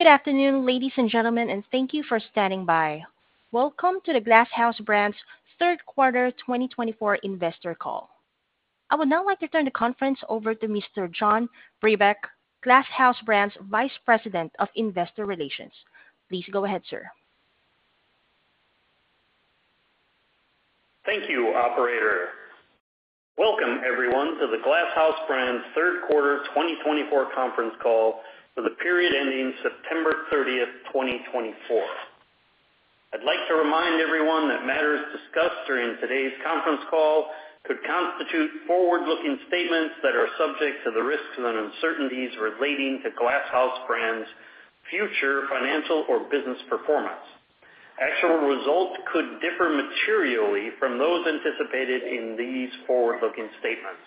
Good afternoon, ladies and gentlemen, and thank you for standing by. Welcome to the Glass House Brands Third Quarter 2024 Investor Call. I would now like to turn the conference over to Mr. John Brebeck, Glass House Brands Vice President of Investor Relations. Please go ahead, sir. Thank you, Operator. Welcome, everyone, to the Glass House Brands Third Quarter 2024 Conference Call for the period ending September 30th, 2024. I'd like to remind everyone that matters discussed during today's conference call could constitute forward-looking statements that are subject to the risks and uncertainties relating to Glass House Brands' future financial or business performance. Actual results could differ materially from those anticipated in these forward-looking statements.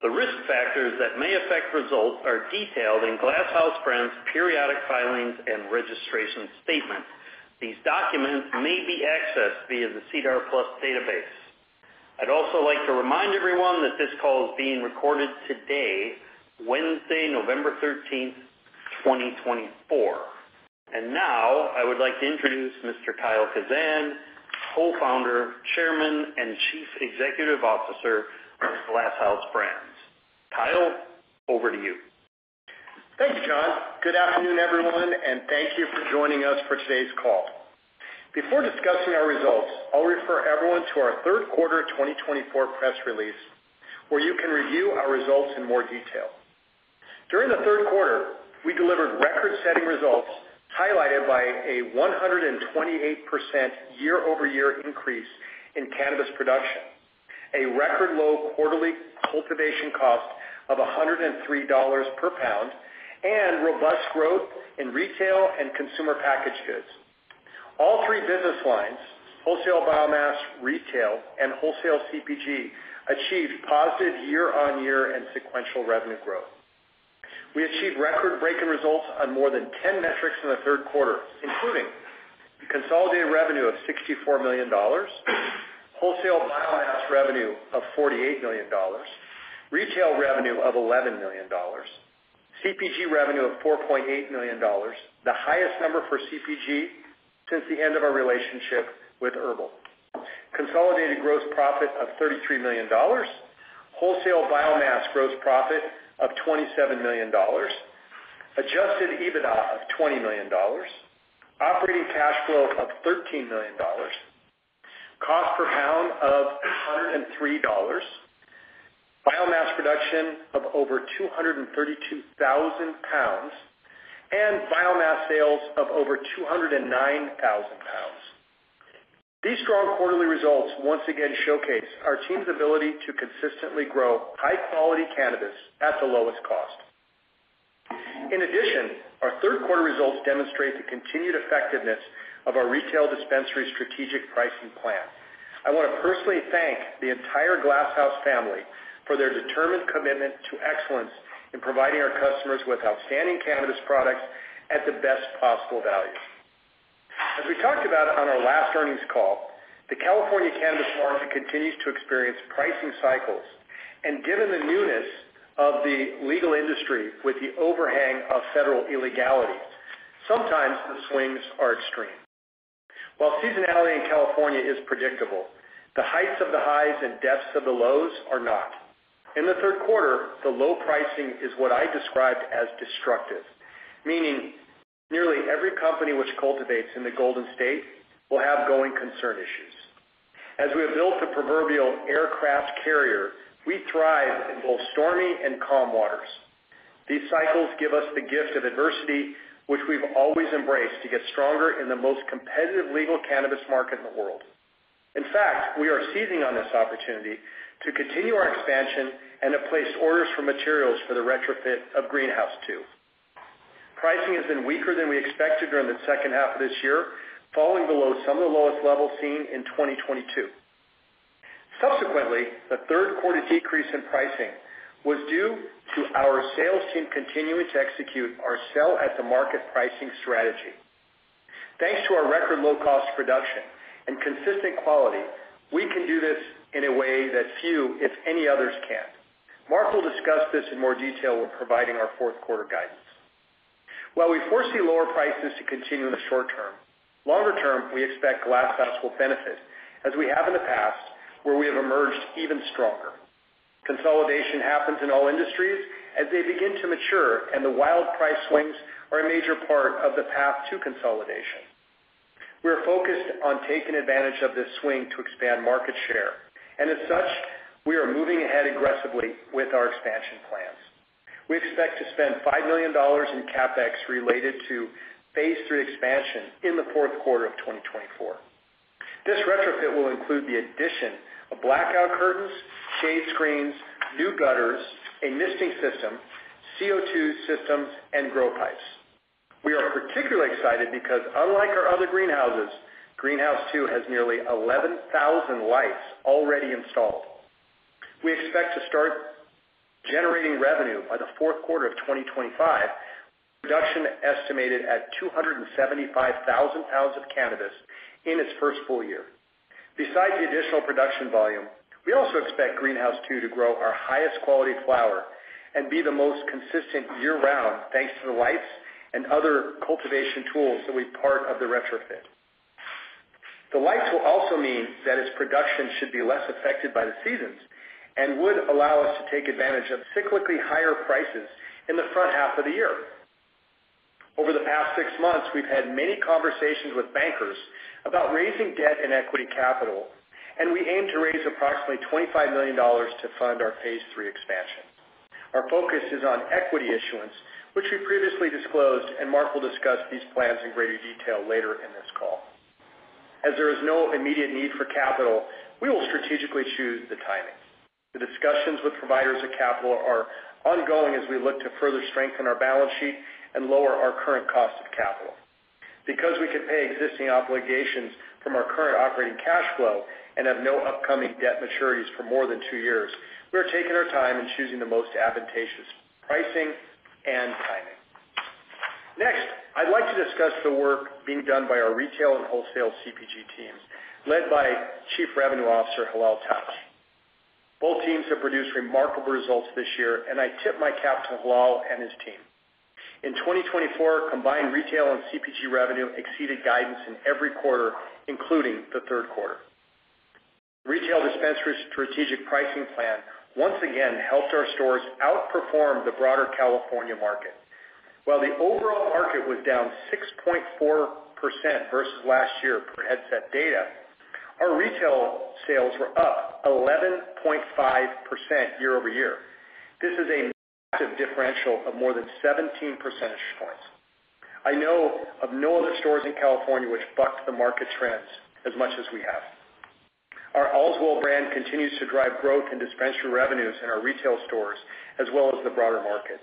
The risk factors that may affect results are detailed in Glass House Brands' periodic filings and registration statement. These documents may be accessed via the SEDAR+ database. I'd also like to remind everyone that this call is being recorded today, Wednesday, November 13th, 2024. And now I would like to introduce Mr. Kyle Kazan, Co-founder, Chairman, and Chief Executive Officer of Glass House Brands. Kyle, over to you. Thanks, John. Good afternoon, everyone, and thank you for joining us for today's call. Before discussing our results, I'll refer everyone to our third quarter 2024 press release, where you can review our results in more detail. During the third quarter, we delivered record-setting results highlighted by a 128% year-over-year increase in cannabis production, a record-low quarterly cultivation cost of $103 per pound, and robust growth in retail and consumer packaged goods. All three business lines, wholesale biomass, retail, and wholesale CPG, achieved positive year-on-year and sequential revenue growth. We achieved record-breaking results on more than 10 metrics in the third quarter, including consolidated revenue of $64 million, wholesale biomass revenue of $48 million, retail revenue of $11 million, CPG revenue of $4.8 million, the highest number for CPG since the end of our relationship with HERBL, consolidated gross profit of $33 million, wholesale biomass gross profit of $27 million, adjusted EBITDA of $20 million, operating cash flow of $13 million, cost per pound of $103, biomass production of over 232,000 pounds, and biomass sales of over 209,000 pounds. These strong quarterly results once again showcase our team's ability to consistently grow high-quality cannabis at the lowest cost. In addition, our third quarter results demonstrate the continued effectiveness of our retail dispensary strategic pricing plan. I want to personally thank the entire Glass House family for their determined commitment to excellence in providing our customers with outstanding cannabis products at the best possible value. As we talked about on our last earnings call, the California cannabis market continues to experience pricing cycles, and given the newness of the legal industry with the overhang of federal illegality, sometimes the swings are extreme. While seasonality in California is predictable, the heights of the highs and depths of the lows are not. In the third quarter, the low pricing is what I described as destructive, meaning nearly every company which cultivates in the Golden State will have going concern issues. As we have built the proverbial aircraft carrier, we thrive in both stormy and calm waters. These cycles give us the gift of adversity, which we've always embraced to get stronger in the most competitive legal cannabis market in the world. In fact, we are seizing on this opportunity to continue our expansion and have placed orders for materials for the retrofit of Greenhouse 2. Pricing has been weaker than we expected during the second half of this year, falling below some of the lowest levels seen in 2022. Subsequently, the third quarter decrease in pricing was due to our sales team continuing to execute our sell-at-the-market pricing strategy. Thanks to our record-low cost production and consistent quality, we can do this in a way that few, if any, others can. Mark will discuss this in more detail when providing our fourth quarter guidance. While we foresee lower prices to continue in the short term, longer term, we expect Glass House will benefit, as we have in the past, where we have emerged even stronger. Consolidation happens in all industries as they begin to mature, and the wild price swings are a major part of the path to consolidation. We are focused on taking advantage of this swing to expand market share, and as such, we are moving ahead aggressively with our expansion plans. We expect to spend $5 million in CapEx related to phase three expansion in the fourth quarter of 2024. This retrofit will include the addition of blackout curtains, shade screens, new gutters, a misting system, CO2 systems, and grow pipes. We are particularly excited because, unlike our other Greenhouses, Greenhouse 2 has nearly 11,000 lights already installed. We expect to start generating revenue by the fourth quarter of 2025. Production estimated at 275,000 pounds of cannabis in its first full year. Besides the additional production volume, we also expect Greenhouse 2 to grow our highest quality flower and be the most consistent year-round thanks to the lights and other cultivation tools that will be part of the retrofit. The lights will also mean that its production should be less affected by the seasons and would allow us to take advantage of cyclically higher prices in the front half of the year. Over the past six months, we've had many conversations with bankers about raising debt and equity capital, and we aim to raise approximately $25 million to fund our phase three expansion. Our focus is on equity issuance, which we previously disclosed, and Mark will discuss these plans in greater detail later in this call. As there is no immediate need for capital, we will strategically choose the timing. The discussions with providers of capital are ongoing as we look to further strengthen our balance sheet and lower our current cost of capital. Because we can pay existing obligations from our current operating cash flow and have no upcoming debt maturities for more than two years, we are taking our time in choosing the most advantageous pricing and timing. Next, I'd like to discuss the work being done by our retail and wholesale CPG teams, led by Chief Revenue Officer Hilal Tabsh. Both teams have produced remarkable results this year, and I tip my cap to Hilal and his team. In 2024, combined retail and CPG revenue exceeded guidance in every quarter, including the third quarter. The retail dispensary strategic pricing plan once again helped our stores outperform the broader California market. While the overall market was down 6.4% versus last year per for Headset data, our retail sales were up 11.5% year-over-year. This is a massive differential of more than 17 percentage points. I know of no other stores in California which bucked the market trends as much as we have. Our Allswell brand continues to drive growth in dispensary revenues in our retail stores as well as the broader market.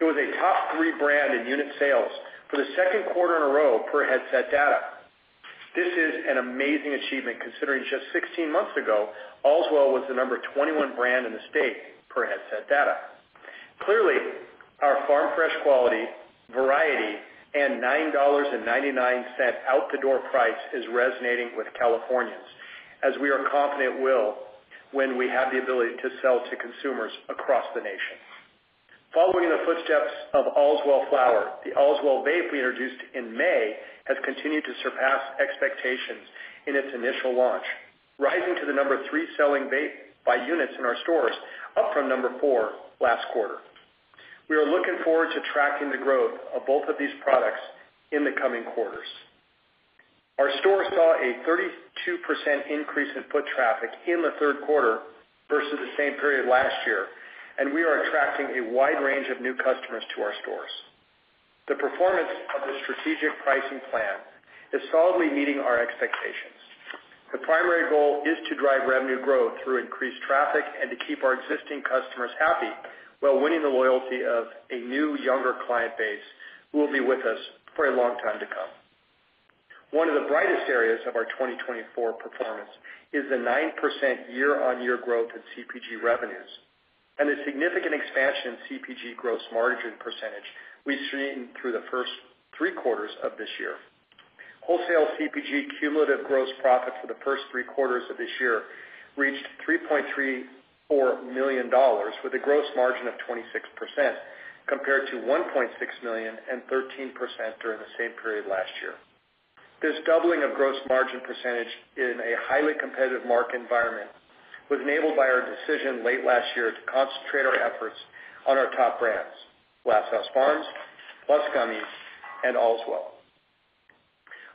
It was a top-three brand in unit sales for the second quarter in a row per Headset data. This is an amazing achievement considering just 16 months ago, Allswell was the number 21 brand in the state per Headset data. Clearly, our farm-fresh quality, variety, and $9.99 out-the-door price is resonating with Californians as we are confident we'll, when we have the ability to sell to consumers across the nation. Following in the footsteps of Allswell Flower, the Allswell Vape we introduced in May has continued to surpass expectations in its initial launch, rising to the number three selling Vape by units in our stores, up from number four last quarter. We are looking forward to tracking the growth of both of these products in the coming quarters. Our store saw a 32% increase in foot traffic in the third quarter versus the same period last year, and we are attracting a wide range of new customers to our stores. The performance of the strategic pricing plan is solidly meeting our expectations. The primary goal is to drive revenue growth through increased traffic and to keep our existing customers happy while winning the loyalty of a new, younger client base who will be with us for a long time to come. One of the brightest areas of our 2024 performance is the 9% year-on-year growth in CPG revenues and the significant expansion in CPG gross margin percentage we've seen through the first three quarters of this year. Wholesale CPG cumulative gross profit for the first three quarters of this year reached $3.34 million with a gross margin of 26% compared to $1.6 million and 13% during the same period last year. This doubling of gross margin percentage in a highly competitive market environment was enabled by our decision late last year to concentrate our efforts on our top brands: Glass House Farms, PLUS Gummies, and Allswell.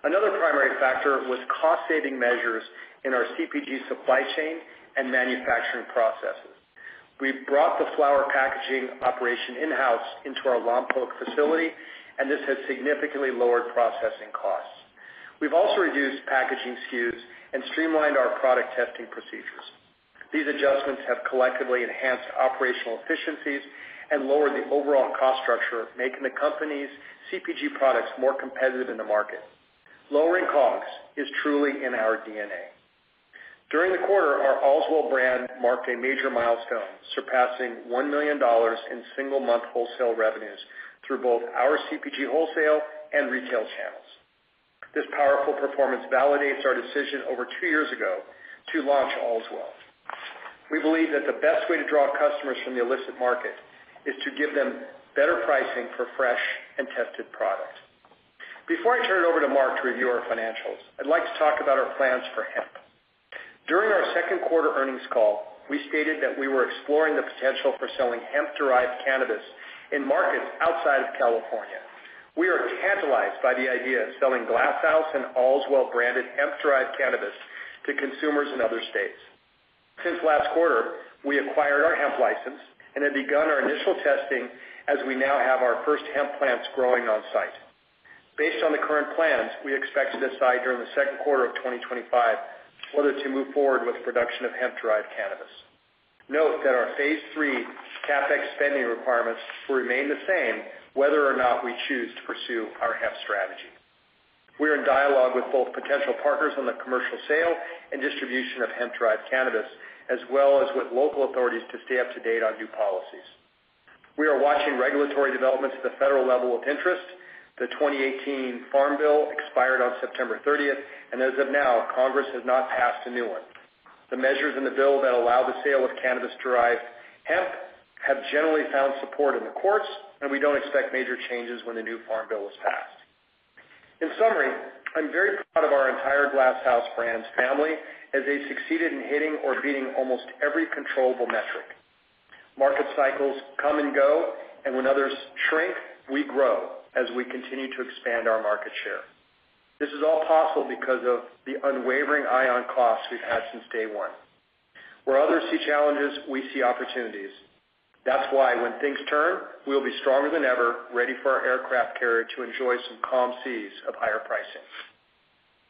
Another primary factor was cost-saving measures in our CPG supply chain and manufacturing processes. We brought the flower packaging operation in-house into our Lompoc facility, and this has significantly lowered processing costs. We've also reduced packaging SKUs and streamlined our product testing procedures. These adjustments have collectively enhanced operational efficiencies and lowered the overall cost structure, making the company's CPG products more competitive in the market. Lowering COGS is truly in our DNA. During the quarter, our Allswell brand marked a major milestone, surpassing $1 million in single-month wholesale revenues through both our CPG wholesale and retail channels. This powerful performance validates our decision over two years ago to launch Allswell. We believe that the best way to draw customers from the illicit market is to give them better pricing for fresh and tested products. Before I turn it over to Mark to review our financials, I'd like to talk about our plans for hemp. During our second quarter earnings call, we stated that we were exploring the potential for selling hemp-derived cannabis in markets outside of California. We are tantalized by the idea of selling Glass House and Allswell-branded hemp-derived cannabis to consumers in other states. Since last quarter, we acquired our hemp license and have begun our initial testing, as we now have our first hemp plants growing on site. Based on the current plans, we expect to decide during the second quarter of 2025 whether to move forward with production of hemp-derived cannabis. Note that our phase three CapEx spending requirements will remain the same whether or not we choose to pursue our hemp strategy. We are in dialogue with both potential partners on the commercial sale and distribution of hemp-derived cannabis, as well as with local authorities to stay up to date on new policies. We are watching regulatory developments at the federal level with interest. The 2018 Farm Bill expired on September 30th, and as of now, Congress has not passed a new one. The measures in the bill that allow the sale of cannabis-derived hemp have generally found support in the courts, and we don't expect major changes when the new Farm Bill is passed. In summary, I'm very proud of our entire Glass House Brands family as they succeeded in hitting or beating almost every controllable metric. Market cycles come and go, and when others shrink, we grow as we continue to expand our market share. This is all possible because of the unwavering eye on costs we've had since day one. Where others see challenges, we see opportunities. That's why when things turn, we will be stronger than ever, ready for our aircraft carrier to enjoy some calm seas of higher pricing.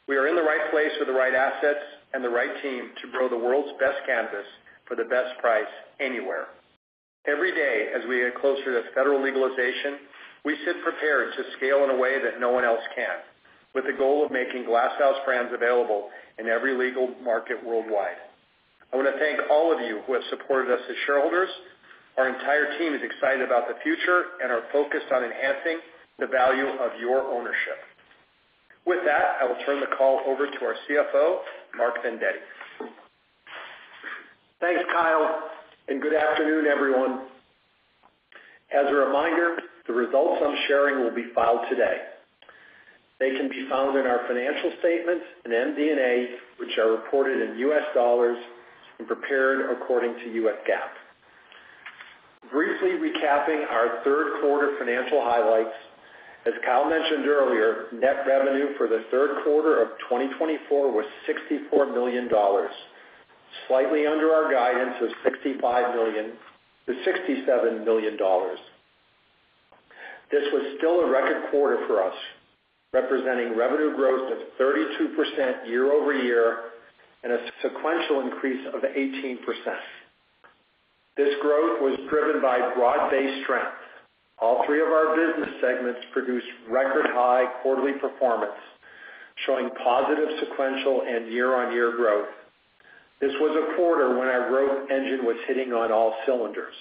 We are in the right place with the right assets and the right team to grow the world's best cannabis for the best price anywhere. Every day as we get closer to federal legalization, we sit prepared to scale in a way that no one else can, with the goal of making Glass House Brands available in every legal market worldwide. I want to thank all of you who have supported us as shareholders. Our entire team is excited about the future and are focused on enhancing the value of your ownership. With that, I will turn the call over to our CFO, Mark Vendetti. Thanks, Kyle, and good afternoon, everyone. As a reminder, the results I'm sharing will be filed today. They can be found in our financial statements and MD&A, which are reported in US dollars and prepared according to US GAAP. Briefly recapping our third quarter financial highlights, as Kyle mentioned earlier, net revenue for the third quarter of 2024 was $64 million, slightly under our guidance of $65 million-$67 million. This was still a record quarter for us, representing revenue growth of 32% year-over-year and a sequential increase of 18%. This growth was driven by broad-based strength. All three of our business segments produced record-high quarterly performance, showing positive sequential and year-on-year growth. This was a quarter when our growth engine was hitting on all cylinders.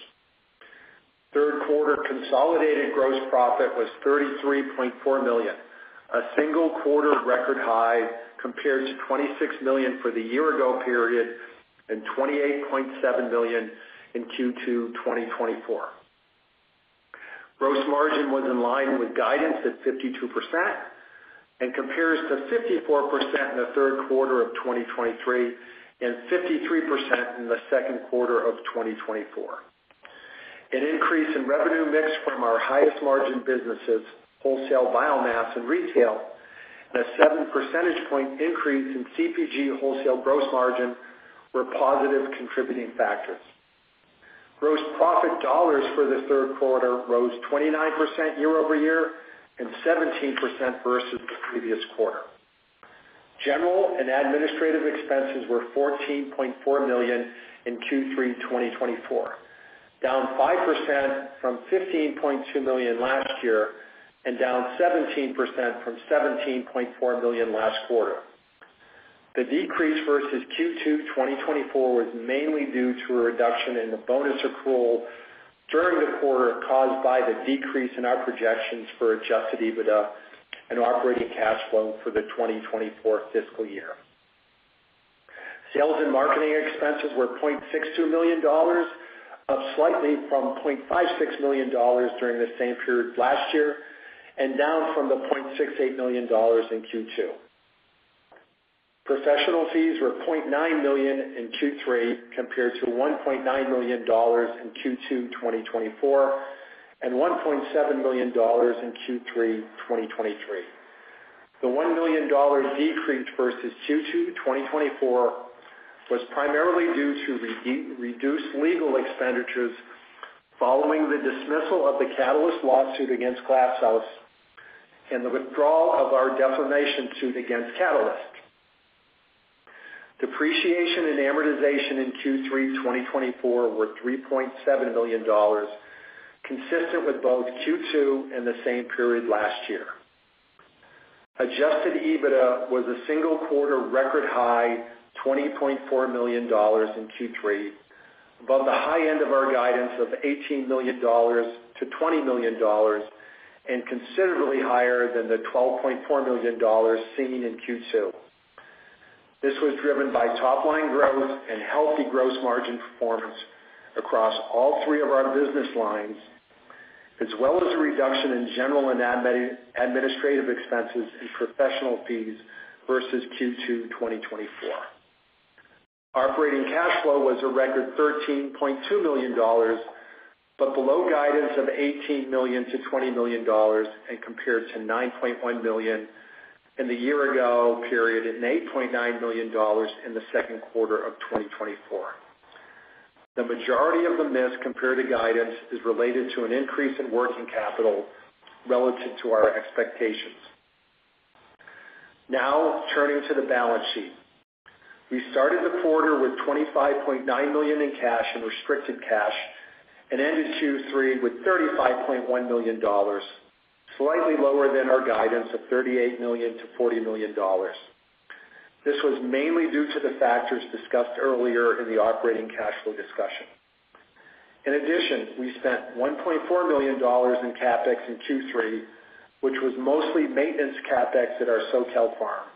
Third quarter consolidated gross profit was $33.4 million, a single quarter record high compared to $26 million for the year-ago period and $28.7 million in Q2 2024. Gross margin was in line with guidance at 52% and compares to 54% in the third quarter of 2023 and 53% in the second quarter of 2024. An increase in revenue mix from our highest margin businesses, wholesale biomass and retail, and a 7 percentage point increase in CPG wholesale gross margin were positive contributing factors. Gross profit dollars for the third quarter rose 29% year-over-year and 17% versus the previous quarter. General and administrative expenses were $14.4 million in Q3 2024, down 5% from $15.2 million last year and down 17% from $17.4 million last quarter. The decrease versus Q2 2024 was mainly due to a reduction in the bonus accrual during the quarter caused by the decrease in our projections for adjusted EBITDA and operating cash flow for the 2024 fiscal year. Sales and marketing expenses were $0.62 million, up slightly from $0.56 million during the same period last year and down from the $0.68 million in Q2. Professional fees were $0.9 million in Q3 compared to $1.9 million in Q2 2024 and $1.7 million in Q3 2023. The $1 million decrease versus Q2 2024 was primarily due to reduced legal expenditures following the dismissal of the Catalyst lawsuit against Glass House and the withdrawal of our defamation suit against Catalyst. Depreciation and amortization in Q3 2024 were $3.7 million, consistent with both Q2 and the same period last year. Adjusted EBITDA was a single quarter record high, $20.4 million in Q3, above the high end of our guidance of $18 million-$20 million and considerably higher than the $12.4 million seen in Q2. This was driven by top-line growth and healthy gross margin performance across all three of our business lines, as well as a reduction in general and administrative expenses and professional fees versus Q2 2024. Operating cash flow was a record $13.2 million, but below guidance of $18 million-$20 million and compared to $9.1 million in the year-ago period and $8.9 million in the second quarter of 2024. The majority of the miss compared to guidance is related to an increase in working capital relative to our expectations. Now, turning to the balance sheet, we started the quarter with $25.9 million in cash and restricted cash and ended Q3 with $35.1 million, slightly lower than our guidance of $38 million-$40 million. This was mainly due to the factors discussed earlier in the operating cash flow discussion. In addition, we spent $1.4 million in CapEx in Q3, which was mostly maintenance CapEx at our SoCal Farm.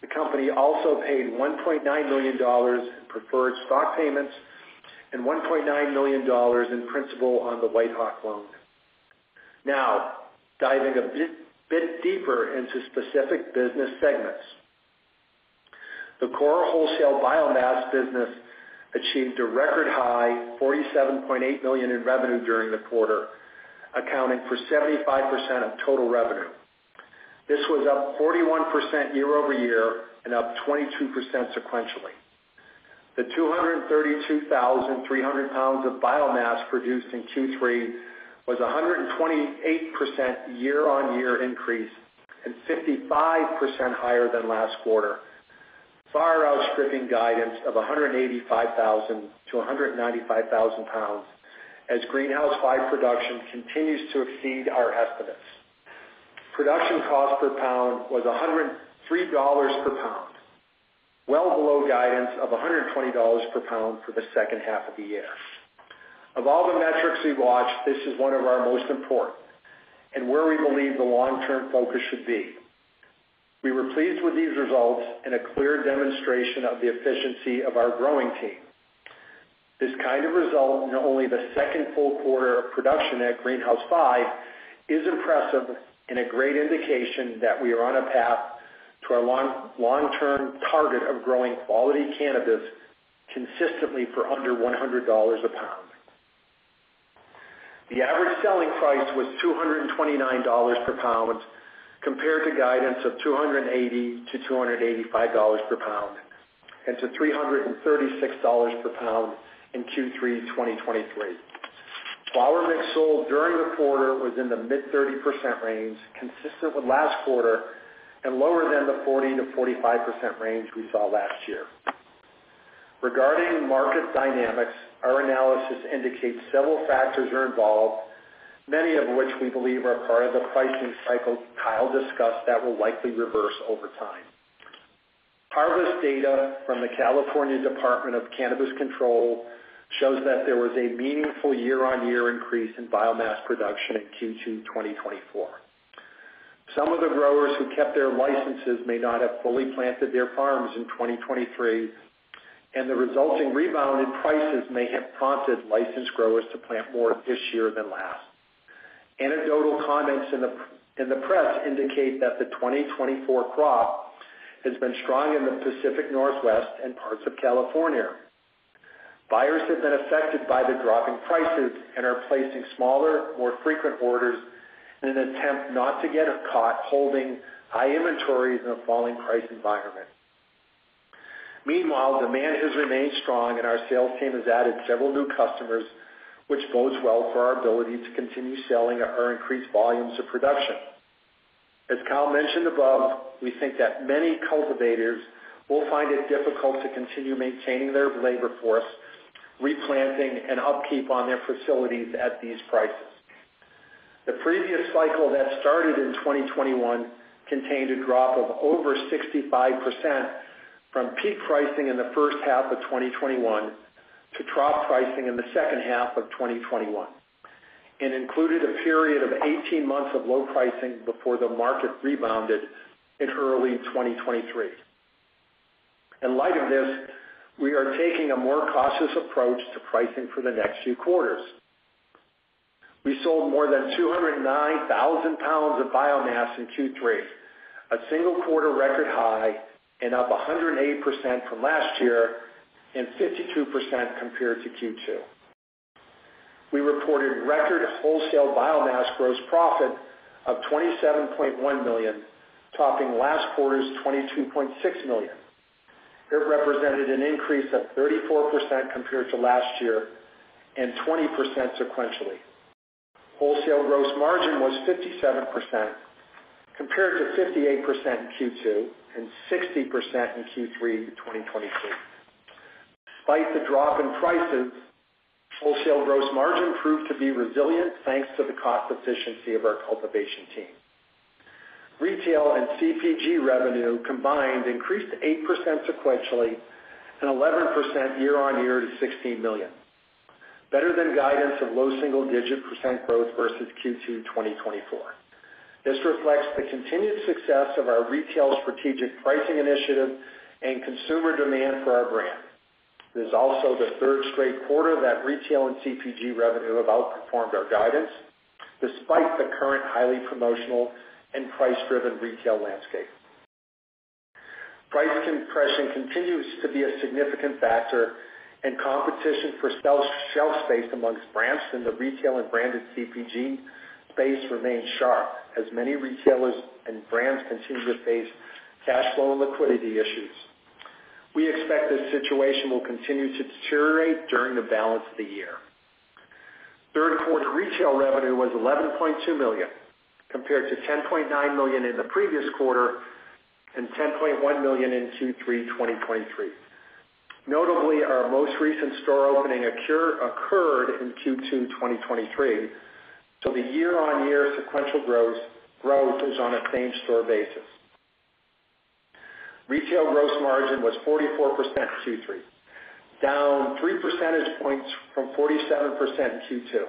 The company also paid $1.9 million in preferred stock payments and $1.9 million in principal on the WhiteHawk loan. Now, diving a bit bitdeeper into specific business segments, the core wholesale biomass business achieved a record high, $47.8 million in revenue during the quarter, accounting for 75% of total revenue. This was up 41% year-over-year and up 22% sequentially. The 232,300 pounds of biomass produced in Q3 was a 128% year-on-year increase and 55% higher than last quarter, far outstripping guidance of 185,000-195,000 as greenhouse flower production continues to exceed our estimates. Production cost per pound was $103 per pound, well below guidance of $120 per pound for the second half of the year. Of all the metrics we've watched, this is one of our most important and where we believe the long-term focus should be. We were pleased with these results and a clear demonstration of the efficiency of our growing team. This kind of result, in only the second full quarter of production at Greenhouse 5, is impressive and a great indication that we are on a path to our long-term target of growing quality cannabis consistently for under $100 a pound. The average selling price was $229 per pound compared to guidance of $280-$285 per pound and to $336 per pound in Q3 2023. Flower mix sold during the quarter was in the mid-30% range, consistent with last quarter and lower than the 40%-45% range we saw last year. Regarding market dynamics, our analysis indicates several factors are involved, many of which we believe are part of the pricing cycle Kyle discussed that will likely reverse over time. Harvest data from the California Department of Cannabis Control shows that there was a meaningful year-on-year increase in biomass production in Q2 2024. Some of the growers who kept their licenses may not have fully planted their farms in 2023, and the resulting rebound in prices may have prompted licensed growers to plant more this year than last. Anecdotal comments in the in the press indicate that the 2024 crop has been strong in the Pacific Northwest and parts of California. Buyers have been affected by the dropping prices and are placing smaller, more frequent orders in an attempt not to get caught holding high inventories in a falling price environment. Meanwhile, demand has remained strong, and our sales team has added several new customers, which bodes well for our ability to continue selling or increase volumes of production. As Kyle mentioned above, we think that many cultivators will find it difficult to continue maintaining their labor force, replanting, and upkeep on their facilities at these prices. The previous cycle that started in 2021 contained a drop of over 65% from peak pricing in the first half of 2021 to trough pricing in the second half of 2021. It included a period of 18 months of low pricing before the market rebounded in early 2023. In light of this, we are taking a more cautious approach to pricing for the next few quarters. We sold more than 209,000 pounds of biomass in Q3, a single quarter record high and up 108% from last year and 52% compared to Q2. We reported record wholesale biomass gross profit of $27.1 million, topping last quarter's $22.6 million. It represented an increase of 34% compared to last year and 20% sequentially. Wholesale gross margin was 57% compared to 58% in Q2 and 60% in Q3 2023. Despite the drop in prices, wholesale gross margin proved to be resilient thanks to the cost efficiency of our cultivation team. Retail and CPG revenue combined increased 8% sequentially and 11% year-on-year to $16 million, better than guidance of low single-digit percent growth versus Q2 2024. This reflects the continued success of our retail strategic pricing initiative and consumer demand for our brand. It is also the third straight quarter that retail and CPG revenue have outperformed our guidance, despite the current highly promotional and price-driven retail landscape. Price compression continues to be a significant factor, and competition for shelf space amongst brands in the retail and branded CPG space remains sharp as many retailers and brands continue to face cash flow and liquidity issues. We expect this situation will continue to deteriorate during the balance of the year. Third quarter retail revenue was $11.2 million compared to $10.9 million in the previous quarter and $10.1 million in Q3 2023. Notably, our most recent store opening accrued occurred in Q2 2023, so the year-on-year sequential growth growth is on a same-store basis. Retail gross margin was 44% in Q3, down 3 percentage points from 47% in Q2.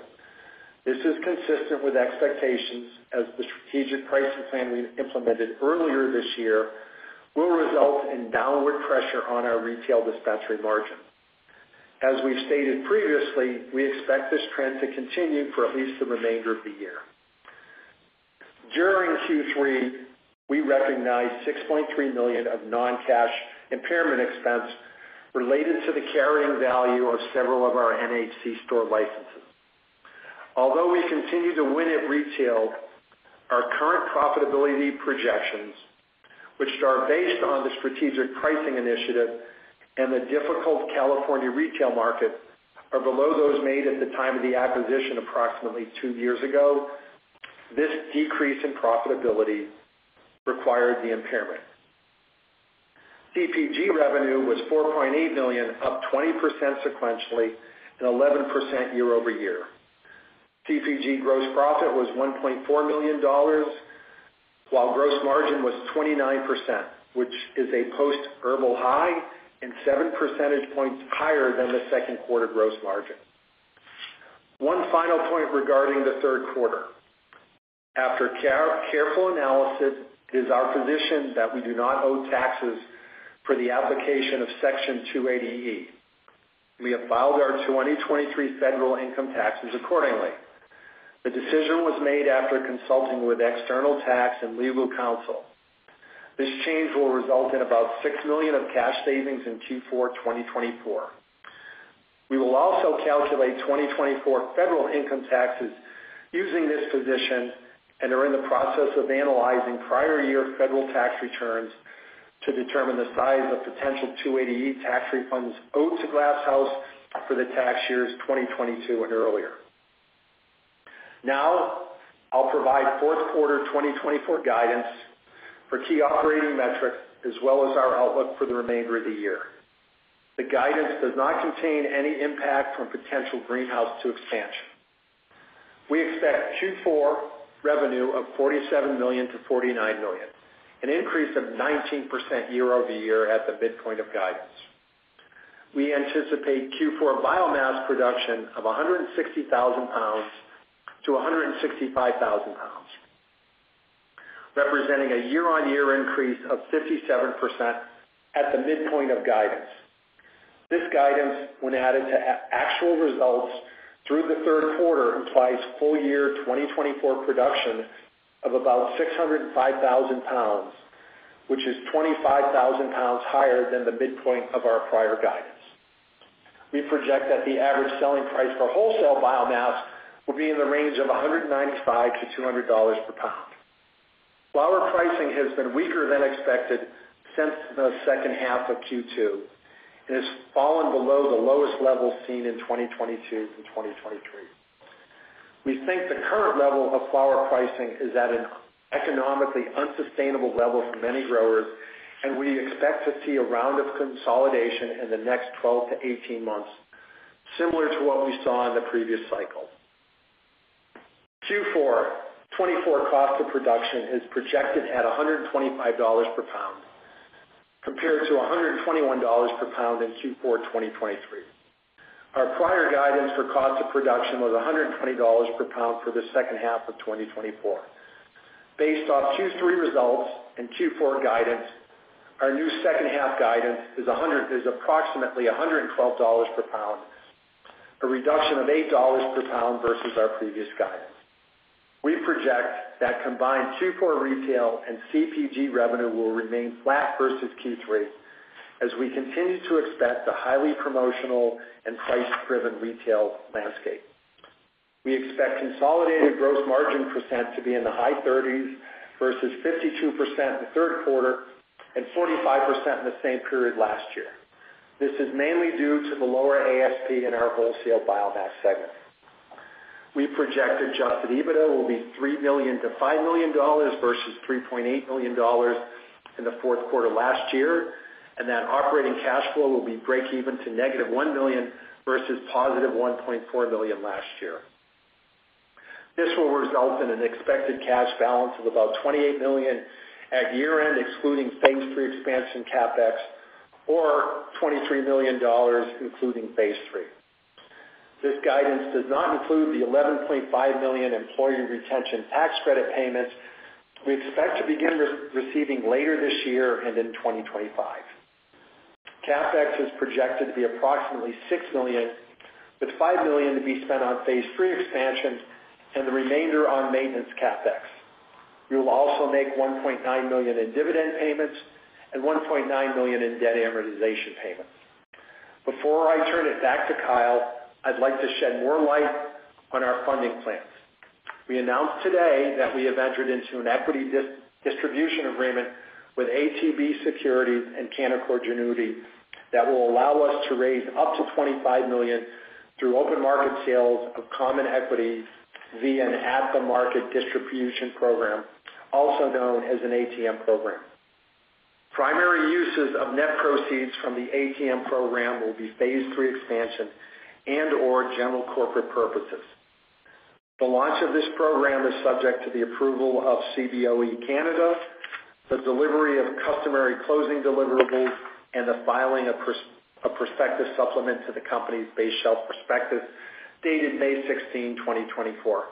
This is consistent with expectations as the strategic pricing plan we implemented earlier this year will result in downward pressure on our retail dispensary margin. As we've stated previously, we expect this trend to continue for at least the remainder of the year. During Q3, we recognized $6.3 million of non-cash impairment expense related to the carrying value of several of our NHC store licenses. Although we continue to win at retail, our current profitability projections, which are based on the strategic pricing initiative and the difficult California retail market, are below those made at the time of the acquisition approximately two years ago. This decrease in profitability required the impairment. CPG revenue was $4.8 million, up 20% sequentially and 11% year-over-year. CPG gross profit was $1.4 million, while gross margin was 29%, which is a post-Herbl high and 7 percentage points higher than the second quarter gross margin. One final point regarding the third quarter. After careful analysis, it is our position that we do not owe taxes for the application of Section 280E. We have filed our 2023 federal income taxes accordingly. The decision was made after consulting with external tax and legal counsel. This change will result in about $6 million of cash savings in Q4 2024. We will also calculate 2024 federal income taxes using this position and are in the process of analyzing prior year federal tax returns to determine the size of potential 280E tax refunds owed to Glass House for the tax years 2022 and earlier. Now, I'll provide fourth quarter 2024 guidance for key operating metrics as well as our outlook for the remainder of the year. The guidance does not contain any impact from potential Greenhouse 2 expansion. We expect Q4 revenue of $47 million-$49 million, an increase of 19% year-over-year at the midpoint of guidance. We anticipate Q4 biomass production of £160,000-£165,000, representing a year-on-year increase of 57% at the midpoint of guidance. This guidance, when added to actual results through the third quarter, implies full year 2024 production of about £605,000, which is £25,000 higher than the midpoint of our prior guidance. We project that the average selling price for wholesale biomass will be in the range of $195-$200 per pound. Flower pricing has been weaker than expected since the second half of Q2 and has fallen below the lowest level seen in 2022 and 2023. We think the current level of flower pricing is at an economically unsustainable level for many growers, and we expect to see a round of consolidation in the next 12-18 months, similar to what we saw in the previous cycle. Q4 2024 cost of production is projected at $125 per pound compared to $121 per pound in Q4 2023. Our prior guidance for cost of production was $120 per pound for the second half of 2024. Based on Q3 results and Q4 guidance, our new second-half guidance is approximately $112 per pound, a reduction of $8 per pound versus our previous guidance. We project that combined Q4 retail and CPG revenue will remain flat versus Q3 as we continue to expect a highly promotional and price-driven retail landscape. We expect consolidated gross margin % to be in the high 30s versus 52% in the third quarter and 45% in the same period last year. This is mainly due to the lower ASP in our wholesale biomass segment. We project adjusted EBITDA will be $3 million-$5 million versus $3.8 million in the fourth quarter last year, and that operating cash flow will be break-even to -$1 million versus +$1.4 million last year. This will result in an expected cash balance of about $28 million at year-end, excluding phase three expansion CapEx, or $23 million including phase three. This guidance does not include the $11.5 million Employee Retention Tax Credit payments we expect to begin receiving later this year and in 2025. CapEx is projected to be approximately $6 million, with $5 million to be spent on phase three expansion and the remainder on maintenance CapEx. We will also make $1.9 million in dividend payments and $1.9 million in debt amortization payments. Before I turn it back to Kyle, I'd like to shed more light on our funding plans. We announced today that we have entered into an equity distribution agreement with ATB Capital Markets and Canaccord Genuity that will allow us to raise up to $25 million through open market sales of common equity via an at-the-market distribution program, also known as an ATM program. Primary uses of net proceeds from the ATM program will be phase three expansion and/or general corporate purposes. The launch of this program is subject to the approval of Cboe Canada, the delivery of customary closing deliverables, and the filing of a prospective supplement to the company's base shelf prospectus dated May 16th, 2024,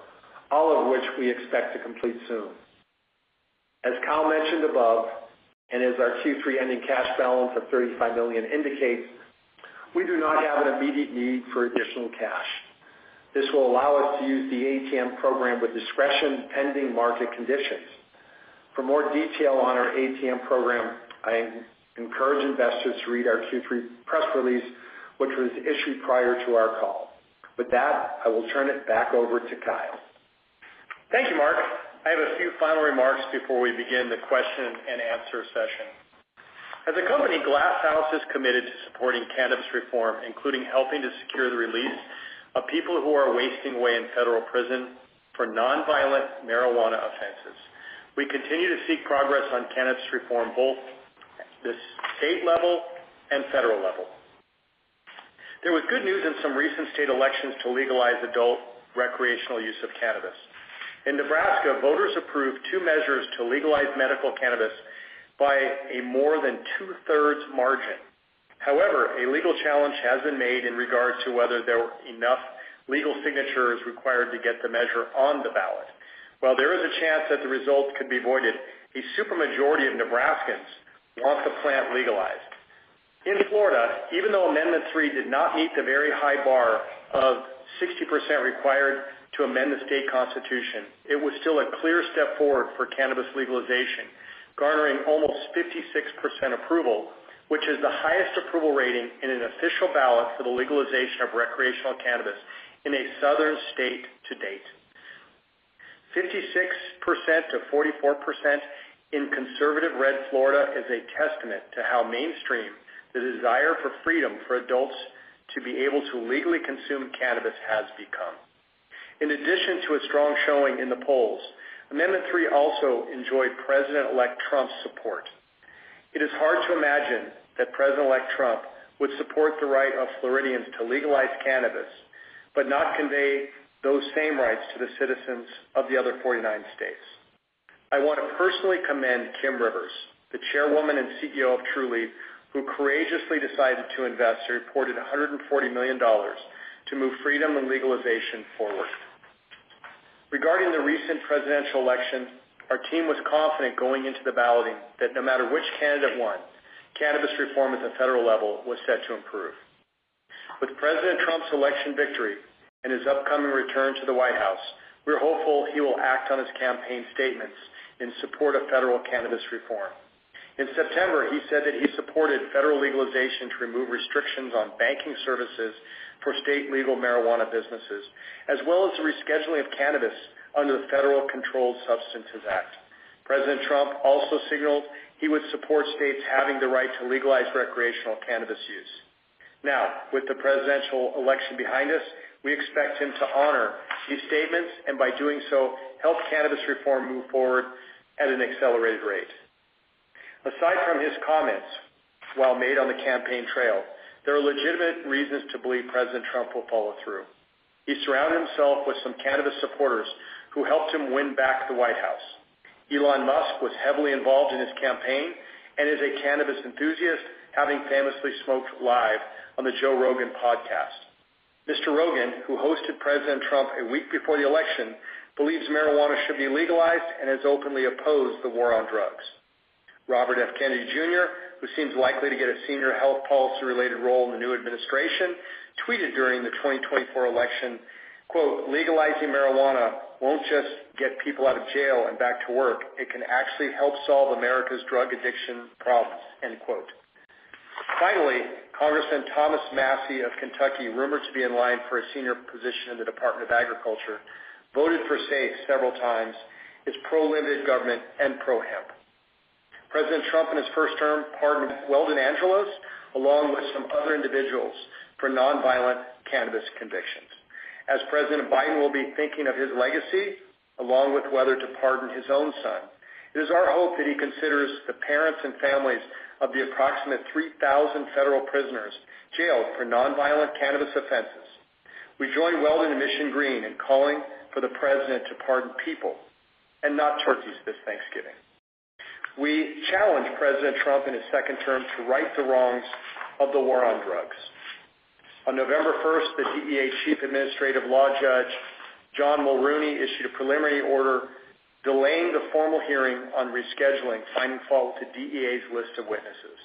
all of which we expect to complete soon. As Kyle mentioned above, and as our Q3 ending cash balance of $35 million indicates, we do not have an immediate need for additional cash. This will allow us to use the ATM program with discretion pending market conditions. For more detail on our ATM program, I encourage investors to read our Q3 press release, which was issued prior to our call. With that, I will turn it back over to Kyle. Thank you, Mark. I have a few final remarks before we begin the question and answer session. As a company, Glass House is committed to supporting cannabis reform, including helping to secure the release of people who are wasting away in federal prison for nonviolent marijuana offenses. We continue to seek progress on cannabis reform, both at the state level and federal level. There was good news in some recent state elections to legalize adult recreational use of cannabis. In Nebraska, voters approved two measures to legalize medical cannabis by a more than two-thirds margin. However, a legal challenge has been made in regards to whether there were enough legal signatures required to get the measure on the ballot. While there is a chance that the result could be voided, a super majority of Nebraskans want the plant legalized. In Florida, even though Amendment 3 did not meet the very high bar of 60% required to amend the state constitution, it was still a clear step forward for cannabis legalization, garnering almost 56% approval, which is the highest approval rating in an official ballot for the legalization of recreational cannabis in a southern state to date. 56% to 44% in conservative red Florida is a testament to how mainstream the desire for freedom for adults to be able to legally consume cannabis has become. In addition to a strong showing in the polls, Amendment 3 also enjoyed President-elect Trump's support. It is hard to imagine that President-elect Trump would support the right of Floridians to legalize cannabis but not convey those same rights to the citizens of the other 49 states. I want to personally commend Kim Rivers, the Chairwoman and CEO of Trulieve, who courageously decided to invest and reported $140 million to move freedom and legalization forward. Regarding the recent presidential election, our team was confident going into the balloting that no matter which candidate won, cannabis reform at the federal level was set to improve. With President Trump's election victory and his upcoming return to the White House, we're hopeful he will act on his campaign statements in support of federal cannabis reform. In September, he said that he supported federal legalization to remove restrictions on banking services for state legal marijuana businesses, as well as the rescheduling of cannabis under the Federal Controlled Substances Act. President Trump also signaled he would support states having the right to legalize recreational cannabis use. Now, with the presidential election behind us, we expect him to honor these statements and, by doing so, help cannabis reform move forward at an accelerated rate. Aside from his comments, while made on the campaign trail, there are legitimate reasons to believe President Trump will follow through. He surrounded himself with some cannabis supporters who helped him win back the White House. Elon Musk was heavily involved in his campaign and is a cannabis enthusiast, having famously smoked live on the Joe Rogan podcast. Mr. Rogan, who hosted President Trump a week before the election, believes marijuana should be legalized and has openly opposed the war on drugs. Robert F. Kennedy Jr., who seems likely to get a senior health policy-related role in the new administration, tweeted during the 2024 election, "Legalizing marijuana won't just get people out of jail and back to work. It can actually help solve America's drug addiction problems." Finally, Congressman Thomas Massie of Kentucky, rumored to be in line for a senior position in the Department of Agriculture, voted for SAFE several times. It's pro-limited government and pro-hemp. President Trump, in his first term, pardoned Weldon Angelos, along with some other individuals, for nonviolent cannabis convictions. As President Biden will be thinking of his legacy, along with whether to pardon his own son, it is our hope that he considers the parents and families of the approximate 3,000 federal prisoners jailed for nonviolent cannabis offenses. We join Weldon and Mission Green in calling for the president to pardon people and not turkeys this Thanksgiving. We challenge President Trump in his second term to right the wrongs of the war on drugs. On November 1, the DEA's Chief Administrative Law Judge, John Mulrooney, issued a preliminary order delaying the formal hearing on rescheduling, finding fault with the DEA's list of witnesses.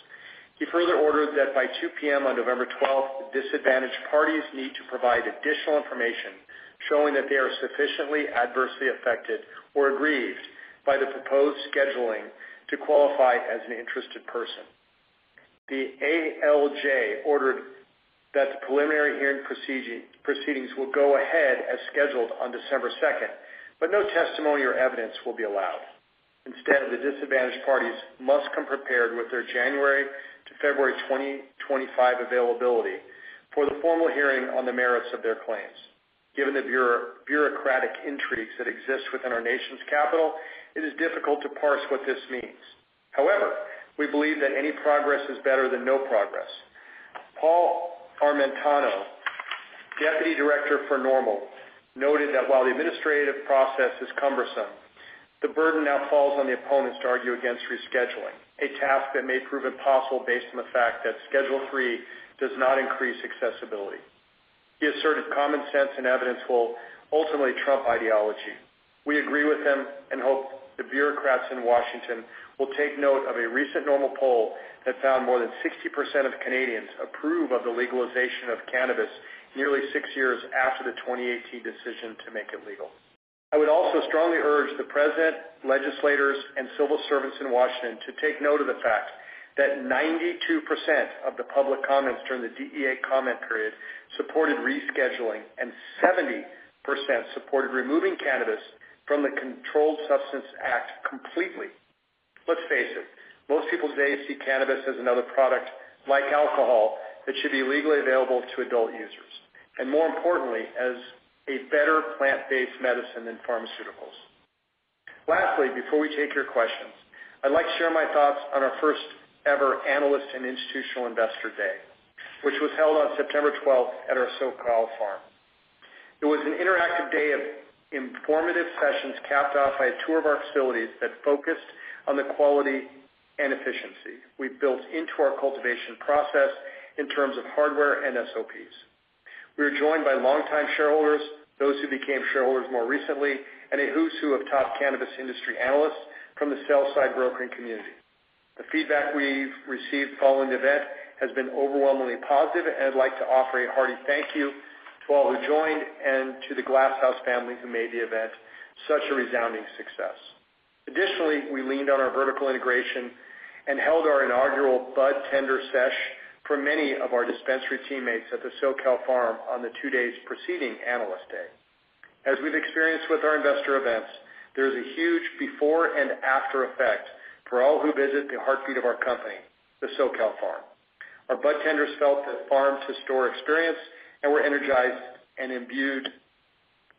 He further ordered that by 2:00 P.M. on November 12th, the interested parties need to provide additional information showing that they are sufficiently adversely affected or aggrieved by the proposed rescheduling to qualify as an interested person. The ALJ ordered that the preliminary hearing proceedings will go ahead as scheduled on December 2, but no testimony or evidence will be allowed. Instead, the interested parties must come prepared with their January to February 2025 availability for the formal hearing on the merits of their claims. Given the bureaucratic intrigues that exist within our nation's capital, it is difficult to parse what this means. However, we believe that any progress is better than no progress. Paul Armentano, Deputy Director for NORML, noted that while the administrative process is cumbersome, the burden now falls on the opponents to argue against rescheduling, a task that may prove impossible based on the fact that Schedule III does not increase accessibility. He asserted common sense and evidence will ultimately trump ideology. We agree with him and hope the bureaucrats in Washington will take note of a recent NORML poll that found more than 60% of Canadians approve of the legalization of cannabis nearly six years after the 2018 decision to make it legal. I would also strongly urge the president, legislators, and civil servants in Washington to take note of the fact that 92% of the public comments during the DEA comment period supported rescheduling and 70% supported removing cannabis from the Controlled Substances Act completely. Let's face it, most people today see cannabis as another product like alcohol that should be legally available to adult users and, more importantly, as a better plant-based medicine than pharmaceuticals. Lastly, before we take your questions, I'd like to share my thoughts on our first-ever Analyst and Institutional Investor Day, which was held on September 12 at our SoCal Farm. It was an interactive day of informative sessions capped off by a tour of our facilities that focused on the quality and efficiency we've built into our cultivation process in terms of hardware and SOPs. We were joined by longtime shareholders, those who became shareholders more recently, and a who's who of top cannabis industry analysts from the sell-side brokering community. The feedback we've received following the event has been overwhelmingly positive, and I'd like to offer a hearty thank you to all who joined and to the Glass House family who made the event such a resounding success. Additionally, we leaned on our vertical integration and held our inaugural Budtender Sesh for many of our dispensary teammates at the SoCal Farm on the two days preceding Analyst Day. As we've experienced with our investor events, there is a huge before and after effect for all who visit the heartbeat of our company, the SoCal Farm. Our Budtenders felt that farm's historic experience and were energized and imbued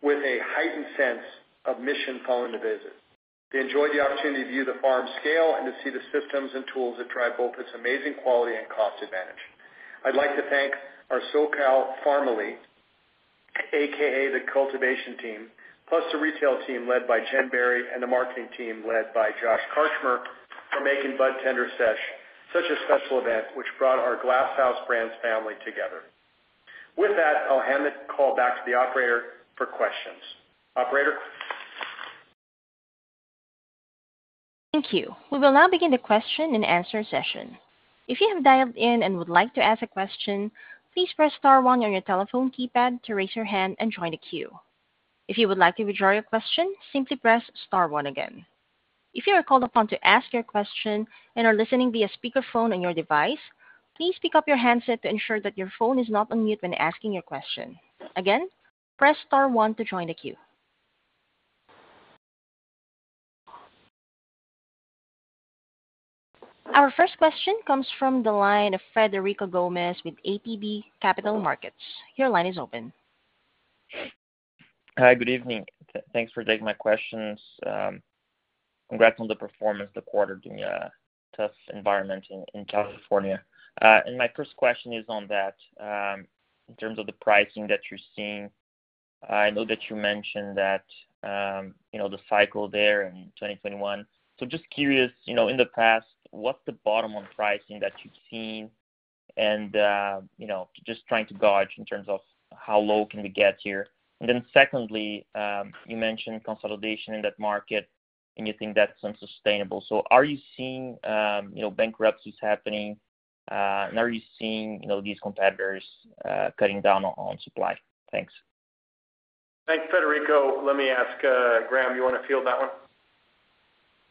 with a heightened sense of mission following the visit. They enjoyed the opportunity to view the farm scale and to see the systems and tools that drive both its amazing quality and cost advantage. I'd like to thank our SoCal Farm Elite, a.k.a. the cultivation team, plus the retail team led by Jen Berry and the marketing team led by Josh Karchmer for making Budtender Sesh such a special event, which brought our Glass House Brands family together. With that, I'll hand the call back to the operator for questions. Operator. Thank you. We will now begin the question and answer session. If you have dialed in and would like to ask a question, please press star one on your telephone keypad to raise your hand and join the queue. If you would like to withdraw your question, simply press star one again. If you are called upon to ask your question and are listening via speakerphone on your device, please pick up your handset to ensure that your phone is not on mute when asking your question. Again, press star one to join the queue. Our first question comes from the line of Frederico Gomes with ATB Capital Markets. Your line is open. Hi, good evening. Thanks for taking my questions. Congrats on the performance the quarter during a tough environment in California. And my first question is on that, in terms of the pricing that you're seeing. I know that you mentioned that you know the cycle there in 2021. So just curious, in the past, what's the bottom-up pricing that you've seen? And you know just trying to dodge in terms of how low can we get here. And then secondly, you mentioned consolidation in that market, and you think that's unsustainable. So are you seeing you know bankruptcies happening, and are you seeing you know these competitors cutting down on supply? Thanks. Thanks, Frederico. Let me ask, Graham, you want to field that one?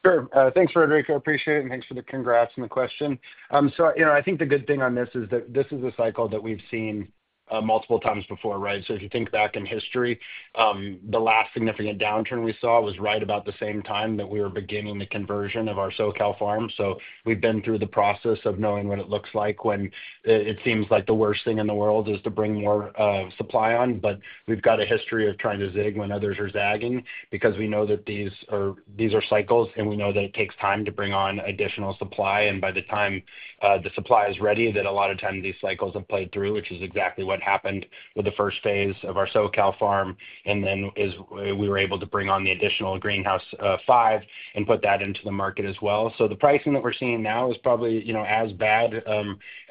Sure. Thanks, Frederico. Appreciate it, and thanks for the congrats and the question. I'm so I think the good thing on this is that this is a cycle that we've seen multiple times before, right? So if you think back in history, the last significant downturn we saw was right about the same time that we were beginning the conversion of our SoCal Farm. So we've been through the process of knowing what it looks like when it seems like the worst thing in the world is to bring more supply on. But we've got a history of trying to zig when others are zagging because we know that these are these are cycles, and we know that it takes time to bring on additional supply. And by the time the supply is ready, a lot of times these cycles have played through, which is exactly what happened with the first phase of our SoCal Farm. And then we were able to bring on the additional Greenhouse 5 and put that into the market as well. So the pricing that we're seeing now is probably as bad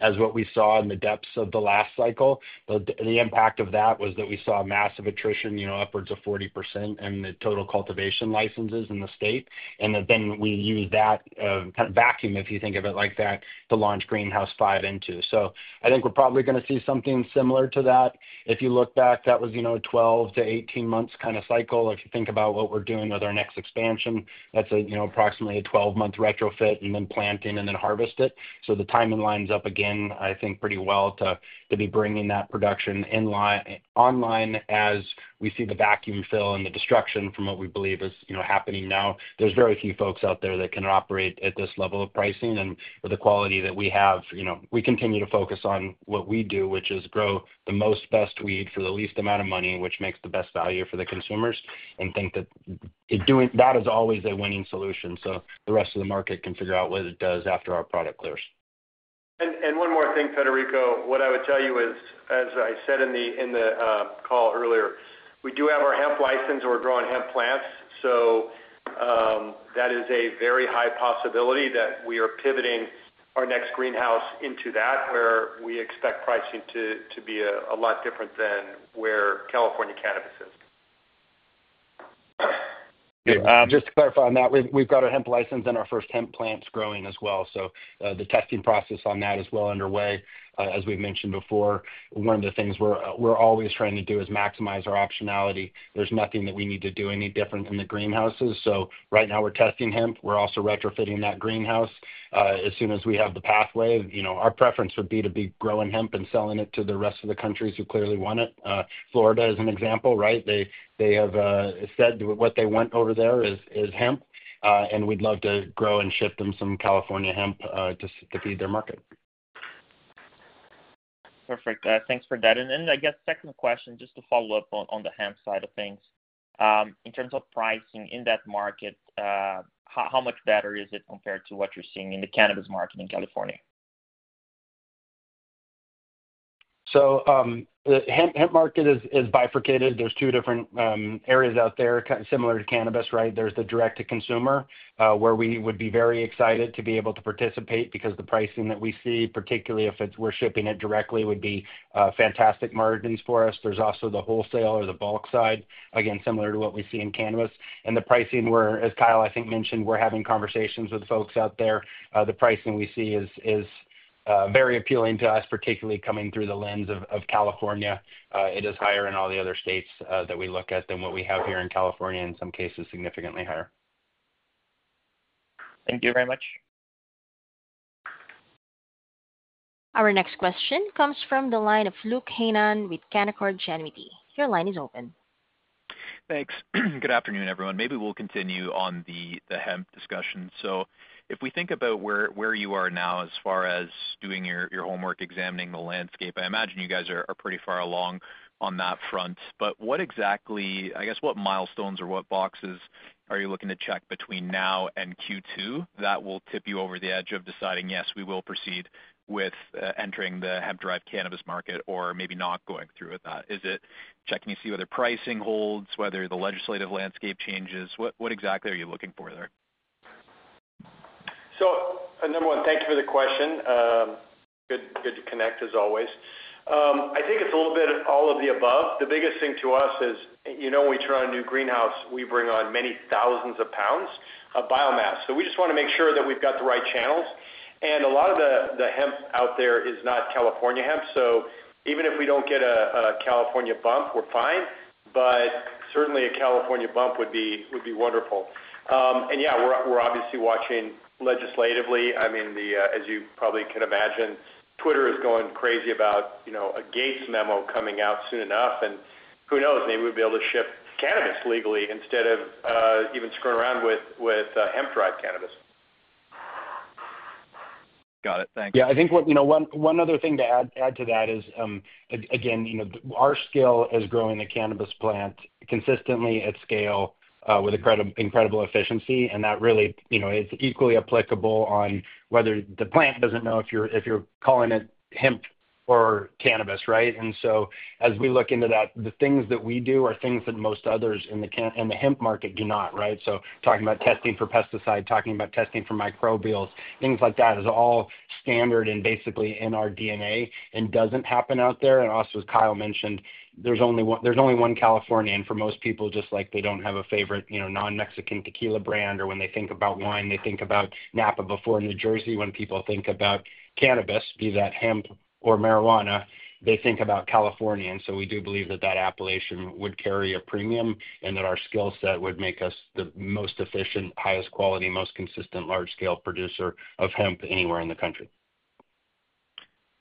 as what we saw in the depths of the last cycle. The impact of that was that we saw a massive attrition, you know upwards of 40%, in the total cultivation licenses in the state. And then we used that kind of vacuum, if you think of it like that, to launch Greenhouse 5 into. So I think we're probably going to see something similar to that. If you look back, that was you know a 12- to 18-month kind of cycle. If you think about what we're doing with our next expansion, that's you know approximately a 12-month retrofit and then planting and then harvest it. So the timing lines up again, I think, pretty well to be bringing that production inline online as we see the vacuum fill and the destruction from what we believe you know is happening now. There's very few folks out there that can operate at this level of pricing. And with the quality that we have, you know we continue to focus on what we do, which is grow the most best weed for the least amount of money, which makes the world's best value for the consumers. And think that that is always a winning solution so the rest of the market can figure out what it does after our product clears. And and one more thing, Frederico. What I would tell you is, as I said in the call earlier, we do have our hemp license. We're growing hemp plants. So that is a very high possibility that we are pivoting our next greenhouse into that, where we expect pricing to be a lot different than where California cannabis is. Just to clarify on that, we've got our hemp license and our first hemp plants growing as well. The testing process on that is well underway. As we've mentioned before, one of the things we're always trying to do is maximize our optionality. There's nothing that we need to do any different in the greenhouses. So right now, we're testing hemp. We're also retrofitting that greenhouse as soon as we have the pathway. You know our preference would be to be growing hemp and selling it to the rest of the countries who clearly want it. Florida is an example, right? They have said what they want over there is hemp, and we'd love to grow and ship them some California hemp to feed their market. Perfect. Thanks for that. And then I guess second question, just to follow up on the hemp side of things. In terms of pricing in that market, how much better is it compared to what you're seeing in the cannabis market in California? So the hemp hemp market is bifurcated. There's two different areas out there, kind of similar to cannabis, right? There's the direct-to-consumer, where we would be very excited to be able to participate because the pricing that we see, particularly if we're shipping it directly, would be fantastic margins for us. There's also the wholesale or the bulk side, again, similar to what we see in cannabis. And the pricing, as Kyle, I think, mentioned, we're having conversations with folks out there. The pricing we see is is very appealing to us, particularly coming through the lens of California. It is higher in all the other states that we look at than what we have here in California, and in some cases significantly higher. Thank you very much. Our next question comes from the line of Luke Hannan with Canaccord Genuity. Your line is open. Thanks. Good afternoon, everyone. Maybe we'll continue on the the hemp discussion. So if we think about where where you are now as far as doing your homework, examining the landscape, I imagine you guys are pretty far along on that front. But what exactly, I guess, what milestones or what boxes are you looking to check between now and Q2 that will tip you over the edge of deciding, "Yes, we will proceed with entering the hemp-derived cannabis market," or maybe not going through with that? Is it checking to see whether pricing holds, whether the legislative landscape changes? What exactly are you looking for there? So number one, thank you for the question. Good good to connect, as always. I think it's a little bit of all of the above. The biggest thing to us is you know when we turn on a new Greenhouse, we bring on many thousands of pounds of biomass. So we just wanna make sure that we've got the right channels. And a lot of the the hemp out there is not California hemp. So even if we don't get a California bump, we're fine. But certainly, a California bump would be would be wonderful. And yeah, we're obviously watching legislatively. I mean the, as you probably can imagine, Twitter is going crazy about you know a Gaetz memo coming out soon enough. And who knows? Maybe we'll be able to ship cannabis legally instead of even screwing around with hemp-derived cannabis. Got it. Thanks. Yeah. I think one other thing to add to that is, again, our skill is growing the cannabis plant consistently at scale with incredible efficiency. And that really you know is equally applicable on whether the plant doesn't know if you're calling it hemp or cannabis, right? And so as we look into that, the things that we do are things that most others in the hemp market do not, right? So talking about testing for pesticide, talking about testing for microbials, things like that is all standard and basically in our DNA and doesn't happen out there. And also, as Kyle mentioned, there's only one California. And for most people, just like they don't have a favorite non-Mexican tequila brand, or when they think about wine, they think about Napa before New Jersey. When people think about cannabis, be that hemp or marijuana, they think about California. And so we do believe that that appellation would carry a premium and that our skill set would make us the most efficient, highest quality, most consistent large-scale producer of hemp anywhere in the country.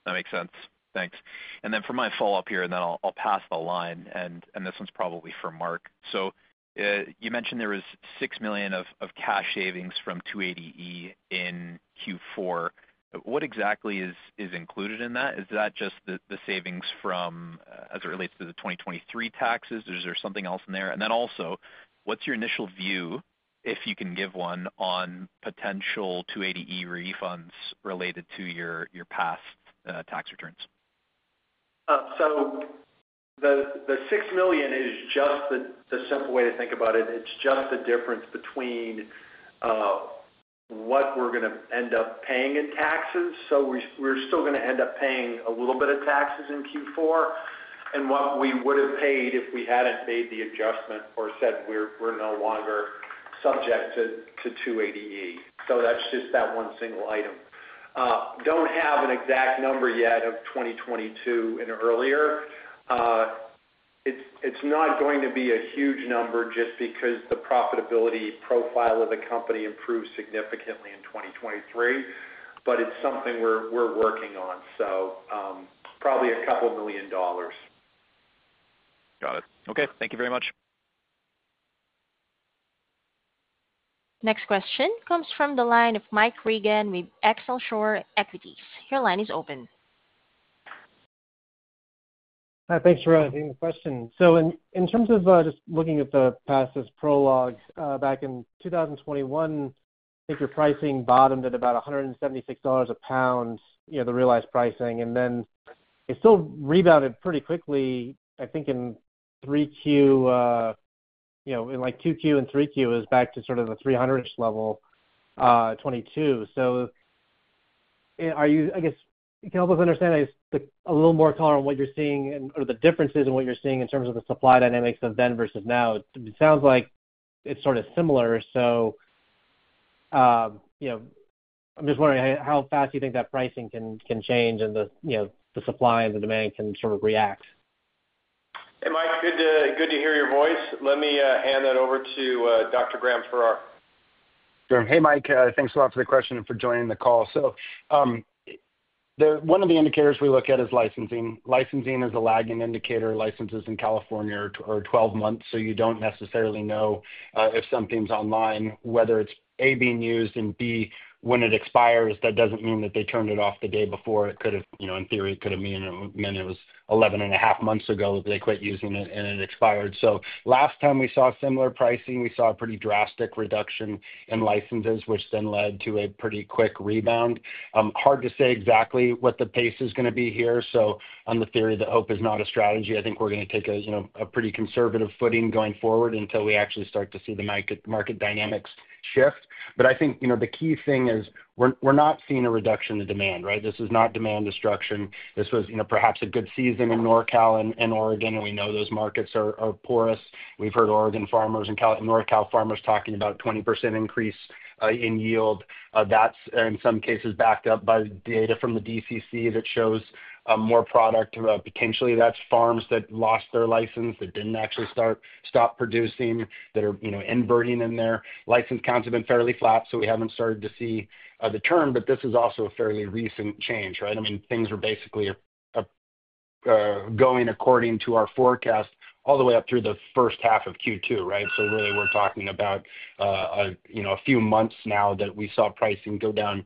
That makes sense. Thanks. And then for my follow-up here now, and then I'll pass the line. And this one's probably for Mark. So you mentioned there was $6 million of cash savings from 280E in Q4. But what exactly is included in that? Is that just the the savings as it relates to the 2023 taxes? Is there something else in there? And then also, what's your initial view, if you can give one, on potential 280E refunds related to to your past tax returns? So the the $6 million is just the simple way to think about it. It's just the difference between what we're going to end up paying in taxes. So we're still going to end up paying a little bit of taxes in Q4 and what we would have paid if we hadn't made the adjustment or said we're no no longer subject to 280E. So that's just that one single item. Don't have an exact number yet of 2022 and earlier. It's it's not going to be a huge number just because the profitability profile of the company improved significantly in 2023, but it's something we're we're working on. So probably $2 million. Got it. Okay. Thank you very much. Next question comes from the line of Mike Regan with Excelsior Equities. Your line is open. Hi. Thanks for taking the question. So in terms of just looking at the past as prologue, back in 2021, I think your pricing bottomed at about $176 a pound, you know the realized pricing. And then it still rebounded pretty quickly, I think, in 3Q, you know like Q2 and 3Q, it was back to sort of the 300s level 2022. So I guess you can help us understand a little more color on what you're seeing or the differences in what you're seeing in terms of the supply dynamics of then versus now. It sounds like it's sort of similar. So you know I'm just wondering how fast you think that pricing can can change and the supply and the demand can sort of react. Hey, Mike. Good to hear your voice. Let me hand that over to Dr. Graham Farrar. Sure. Hey, Mike. Thanks a lot for the question and for joining the call. So the one of the indicators we look at is licensing. Licensing is a lagging indicator. Licenses in California are 12 months, so you don't necessarily know if something's online. Whether it's A, being used and B, when it expires, that doesn't mean that they turned it off the day before could've you know. In theory, it could have meant it was 11 and a half months ago that they quit using it and it expired. So last time we saw similar pricing, we saw a pretty drastic reduction in licenses, which then led to a pretty quick rebound. Hard to say exactly what the pace is going to be here. So on the theory that hope is not a strategy, I think we're going to take a pretty conservative footing going forward until we actually start to see the market dynamics shift. But I think you know the key thing is we're not seeing a reduction in demand, right? This is not demand destruction. This was you know perhaps a good season in NorCal and Oregon, and we know those markets are are porous. We've heard Oregon farmers and NorCal farmers talking about a 20% increase in yield. That's, in some cases, backed up by data from the DCC that shows more product. Potentially, that's farms that lost their license, that didn't actually stop producing, that are diverting in there. License counts have been fairly flat, so we haven't started to see the turn. But this is also a fairly recent change, right? I mean, things were basically going according to our forecast all the way up through the first half of Q2, right? So really, we're talking about you know a a few months now that we saw pricing go down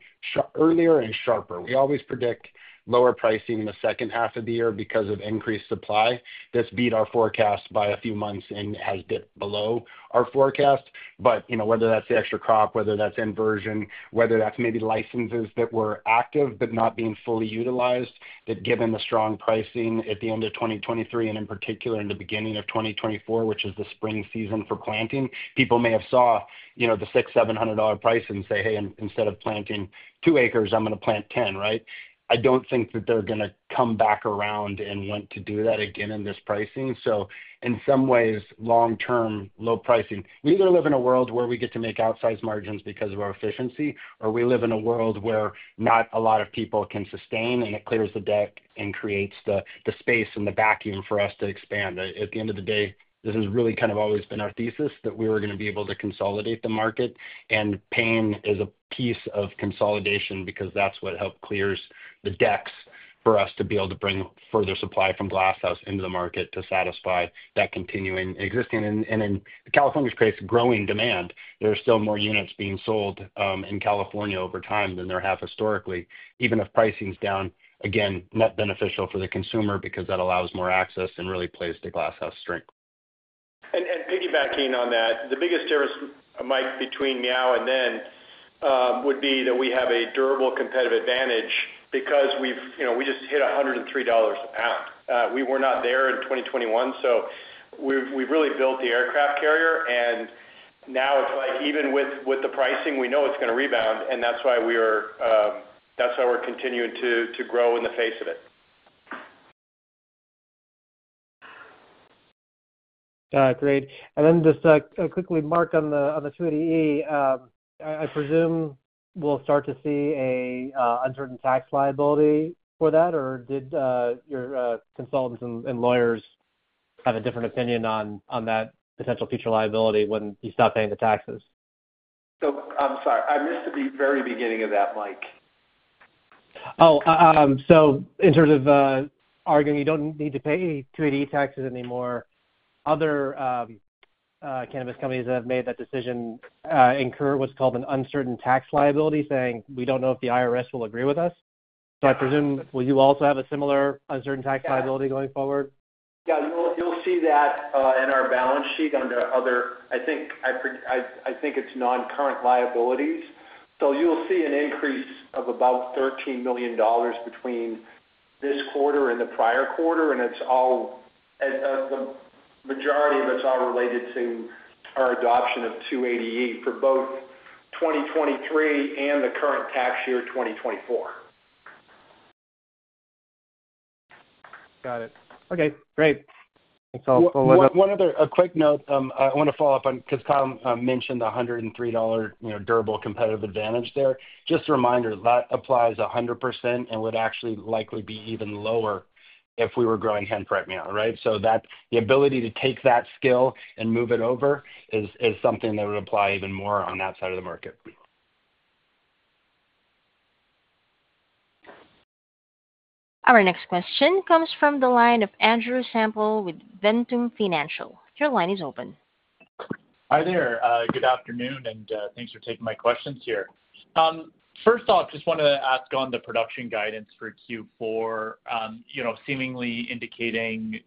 earlier and sharper. We always predict lower pricing in the second half of the year because of increased supply. That's beat our forecast by a few months and has dipped below our forecast. But you know whether that's the extra crop, whether that's inversion, whether that's maybe licenses that were active but not being fully utilized, that given the strong pricing at the end of 2023 and in particular in the beginning of 2024, which is the spring season for planting, people may have saw you know the $6,700 price and say, "Hey, instead of planting two acres, I'm going to plant 10," right? I don't think that they're going to come back around and want to do that again in this pricing. So in some ways, long-term low pricing, we either live in a world where we get to make outsized margins because of our efficiency, or we live in a world where not a lot of people can sustain, and it clears the deck and creates the space and the vacuum for us to expand. At the end of the day, this has really kind of always been our thesis that we were going to be able to consolidate the market, and pain is a piece of consolidation because that's what helped clear the decks for us to be able to bring further supply from Glass House into the market to satisfy that continuing existing. And in California's case, growing demand, there are still more units being sold in California over time than there have historically, even if pricing's down, again, net beneficial for the consumer because that allows more access and really plays to Glass House's strength. And piggybacking on that, the biggest difference, Mike, between now and then would be that we have a durable competitive advantage because we you know just hit $103 a pound. We were not there in 2021. So we've really built the aircraft carrier. And now it's like even with the pricing, we know it's going to rebound. And that's why we're that's how we're continuing to to grow in the face of it. Great. And then just quickly, Mark, on the 280E, I presume we'll start to see an uncertain tax liability for that, or did your consultants and lawyers have a different opinion on that potential future liability when you stop paying the taxes? So I'm sorry. I missed the very beginning of that, Mike. Oh. So in terms of arguing you don't need to pay 280E taxes anymore, other cannabis companies that have made that decision incur what's called an uncertain tax liability, saying, "We don't know if the IRS will agree with us." So I presume will you also have a similar uncertain tax liability going forward? Yeah. You'll see that in our balance sheet under other, I think I think it's non-current liabilities. So you'll see an increase of about $13 million between this quarter and the prior quarter. And it's all the majority of it's all related to to our adoption of 280E for both 2023 and the current tax year 2024. Got it. Okay. Great. Thanks all for letting us. One other quick note. I want to follow up on because Kyle mentioned the $103 you know durable competitive advantage there. Just a reminder, that applies 100% and would actually likely be even lower if we were growing hemp right now, right? So that the ability to take that skill and move it over is is something that would apply even more on that side of the market. Our next question comes from the line of Andrew Semple with Ventum Financial. Your line is open. Hi there. Good afternoon. And thanks for taking my questions here. First off, just wanted to ask on the production guidance for Q4, you know seemingly indicating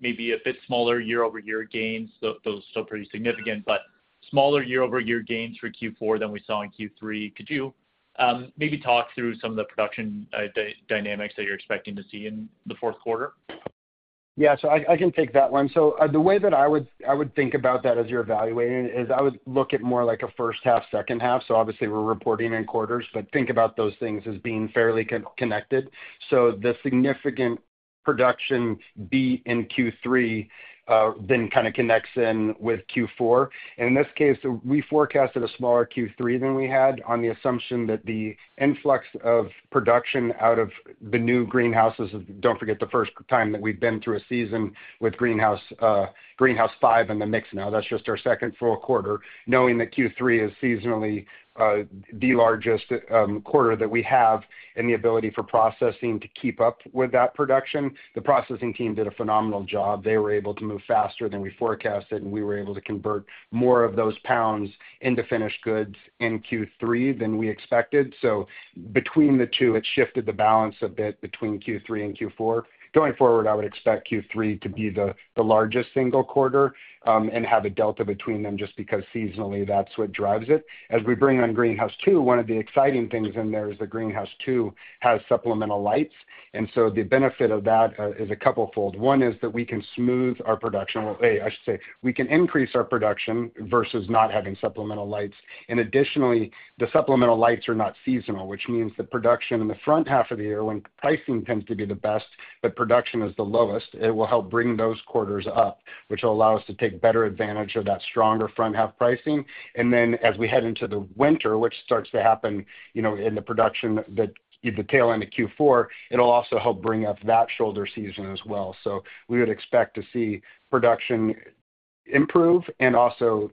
maybe a bit smaller year-over-year gains. Those are still pretty significant, but smaller year-over-year gains for Q4 than we saw in Q3. Could you maybe talk through some of the production dynamics that you're expecting to see in the fourth quarter? Yeah. So I can take that one. So the way that I would I would think about that as you're evaluating it is I would look at more like a first half, second half. So obviously, we're reporting in quarters, but think about those things as being fairly connected. So the significant production beat in Q3 then kind of connects in with Q4. And in this case, we forecasted a smaller Q3 than we had on the assumption that the influx of production out of the new greenhouses. Don't forget the first time that we've been through a season with Greenhouse Greenhouse 5 in the mix now. That's just our second full quarter, knowing that Q3 is seasonally the largest quarter that we have and the ability for processing to keep up with that production. The processing team did a phenomenal job. They were able to move faster than we forecasted, and we were able to convert more of those pounds into finished goods in Q3 than we expected. So between the two, it shifted the balance a bit between Q3 and Q4. Going forward, I would expect Q3 to be the the largest single quarter and have a delta between them just because seasonally that's what drives it. As we bring on Greenhouse 2, one of the exciting things in there is that Greenhouse 2 has supplemental lights. And so the benefit of that is a couple-fold. One is that we can smooth our production, well, I should say we can increase our production versus not having supplemental lights. And additionally, the supplemental lights are not seasonal, which means the production in the front half of the year, when pricing tends to be the best, the production is the lowest. It will help bring those quarters up, which will allow us to take better advantage of that stronger front-half pricing. And then as we head into the winter, which starts to happen you know in the production that you detail in Q4, it'll also help bring up that shoulder season as well. So we would expect to see production improve and also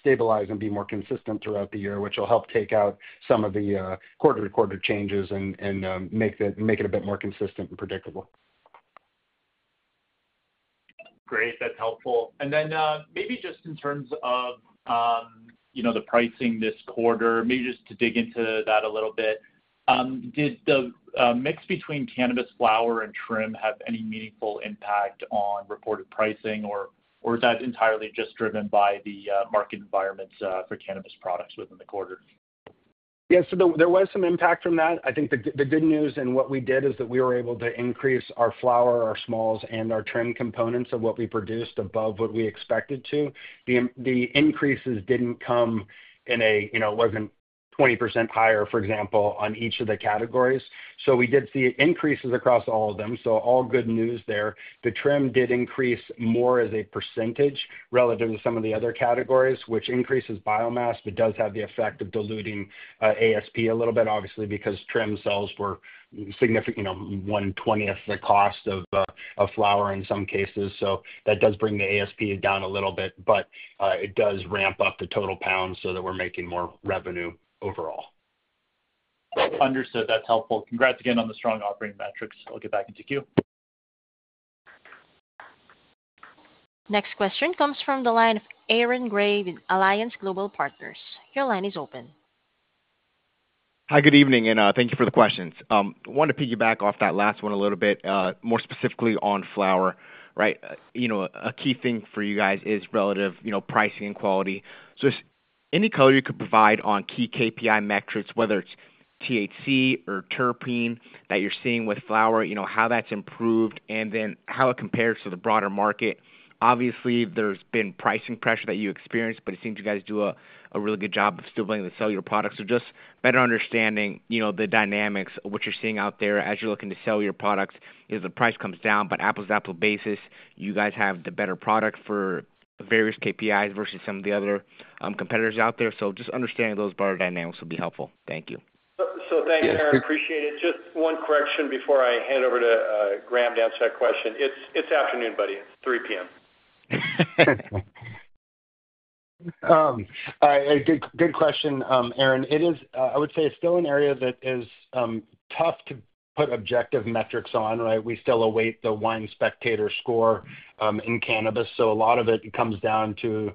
stabilize and be more consistent throughout the year, which will help take out some of the quarter-to-quarter changes and and make it a bit more consistent and predictable. Great. That's helpful. And then maybe just in terms of you know the pricing this quarter, maybe just to dig into that a little bit, did the mix between cannabis, flower, and trim have any meaningful impact on reported pricing, or was that entirely just driven by the market environment for cannabis products within the quarter? Yeah. So there was some impact from that. I think the good news and what we did is that we were able to increase our flower, our smalls, and our trim components of what we produced above what we expected to. The increases didn't come in a you know. It wasn't 20% higher, for example, on each of the categories. So we did see increases across all of them. So all good news there. The trim did increase more as a percentage relative to some of the other categories, which increases biomass but does have the effect of diluting ASP a little bit, obviously, because trim cells were significant—one-twentieth the cost of flower in some cases. So that does bring the ASP down a little bit, but it does ramp up the total pounds so that we're making more revenue overall. Understood. That's helpful. Congrats again on the strong operating metrics. I'll get back into queue. Next question comes from the line of Aaron Grey with Alliance Global Partners. Your line is open. Hi. Good evening. And thank you for the questions. I want to piggyback off that last one a little bit, more specifically on flower, right? You know a key thing for you guys is relative pricing and quality. So any color you could provide on key KPI metrics, whether it's THC or terpene that you're seeing with flower, you know how that's improved, and then how it compares to the broader market. Obviously, there's been pricing pressure that you experienced, but it seems you guys do a really good job of still being able to sell your products. So just better understanding you know the dynamics, what you're seeing out there as you're looking to sell your products is the price comes down, but apples-to-apples basis, you guys have the better product for various KPIs versus some of the other competitors out there. So just understanding those broader dynamics would be helpful. Thank you. So thanks, Aaron. Appreciate it. Just one correction before I hand over to Graham to answer that question. It's afternoon, buddy. It's 3:00 P.M. All right. Good good question, Aaron. I would say it's still an area that is tough to put objective metrics on, right? We still await the wine spectator score in cannabis. So a lot of it comes down to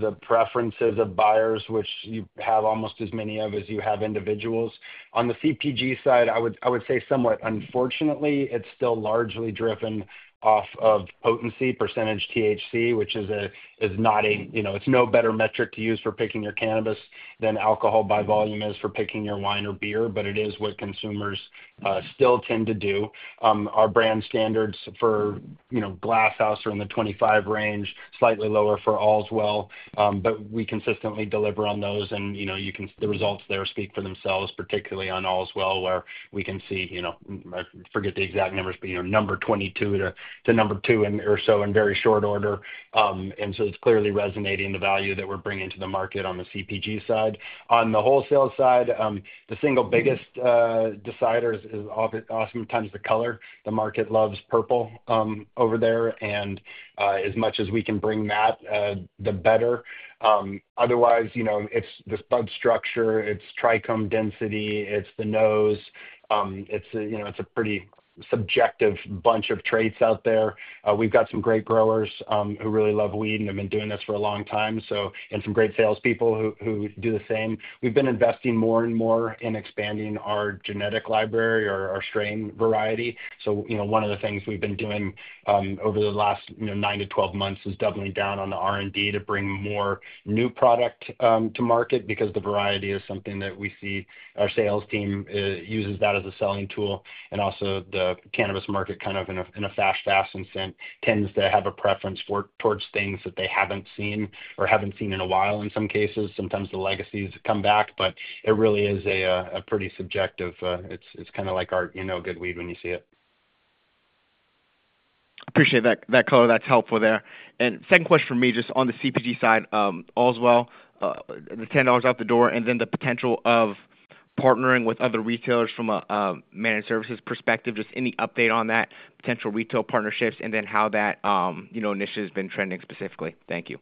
the preferences of buyers, which you have almost as many of as you have individuals. On the CPG side, I would say somewhat unfortunately, it's still largely driven off of potency percentage THC, which is not a, it's no better metric to use for picking your cannabis than alcohol by volume is for picking your wine or beer, but it is what consumers still tend to do. Our brand standards for you know Glass House are in the 25 range, slightly lower for Allswell, but we consistently deliver on those. And you know the results there speak for themselves, particularly on Allswell, where we can see, you know forget the exact numbers, but number 22 to number 2 or so in very short order. And so it's clearly resonating the value that we're bringing to the market on the CPG side. On the wholesale side, the single biggest decider is oftentimes the color. The market loves purple over there. As much as we can bring that, the better. Otherwise you know, it's the bud structure, it's trichome density, it's the nose. It's you know a pretty subjective bunch of traits out there. We've got some great growers who really love weed and have been doing this for a long time, so and some great salespeople who do the same. We've been investing more and more in expanding our genetic library or our strain variety. So you know one of the things we've been doing over the last nine to 12 months is doubling down on the R&D to bring more new product to market because the variety is something that we see our sales team uses that as a selling tool. And also the cannabis market kind of you know in a fast fashion tends to have a preference towards things that they haven't seen or haven't seen in a while in some cases. Sometimes the legacies come back, but it really is a pretty subjective, it's kind of like our you know good weed when you see it. Appreciate that that color. That's helpful there. And second question for me, just on the CPG side, Allswell, the $10 out the door, and then the potential of partnering with other retailers from a managed services perspective, just any update on that potential retail partnerships and then how that you know initiative has been trending specifically. Thank you.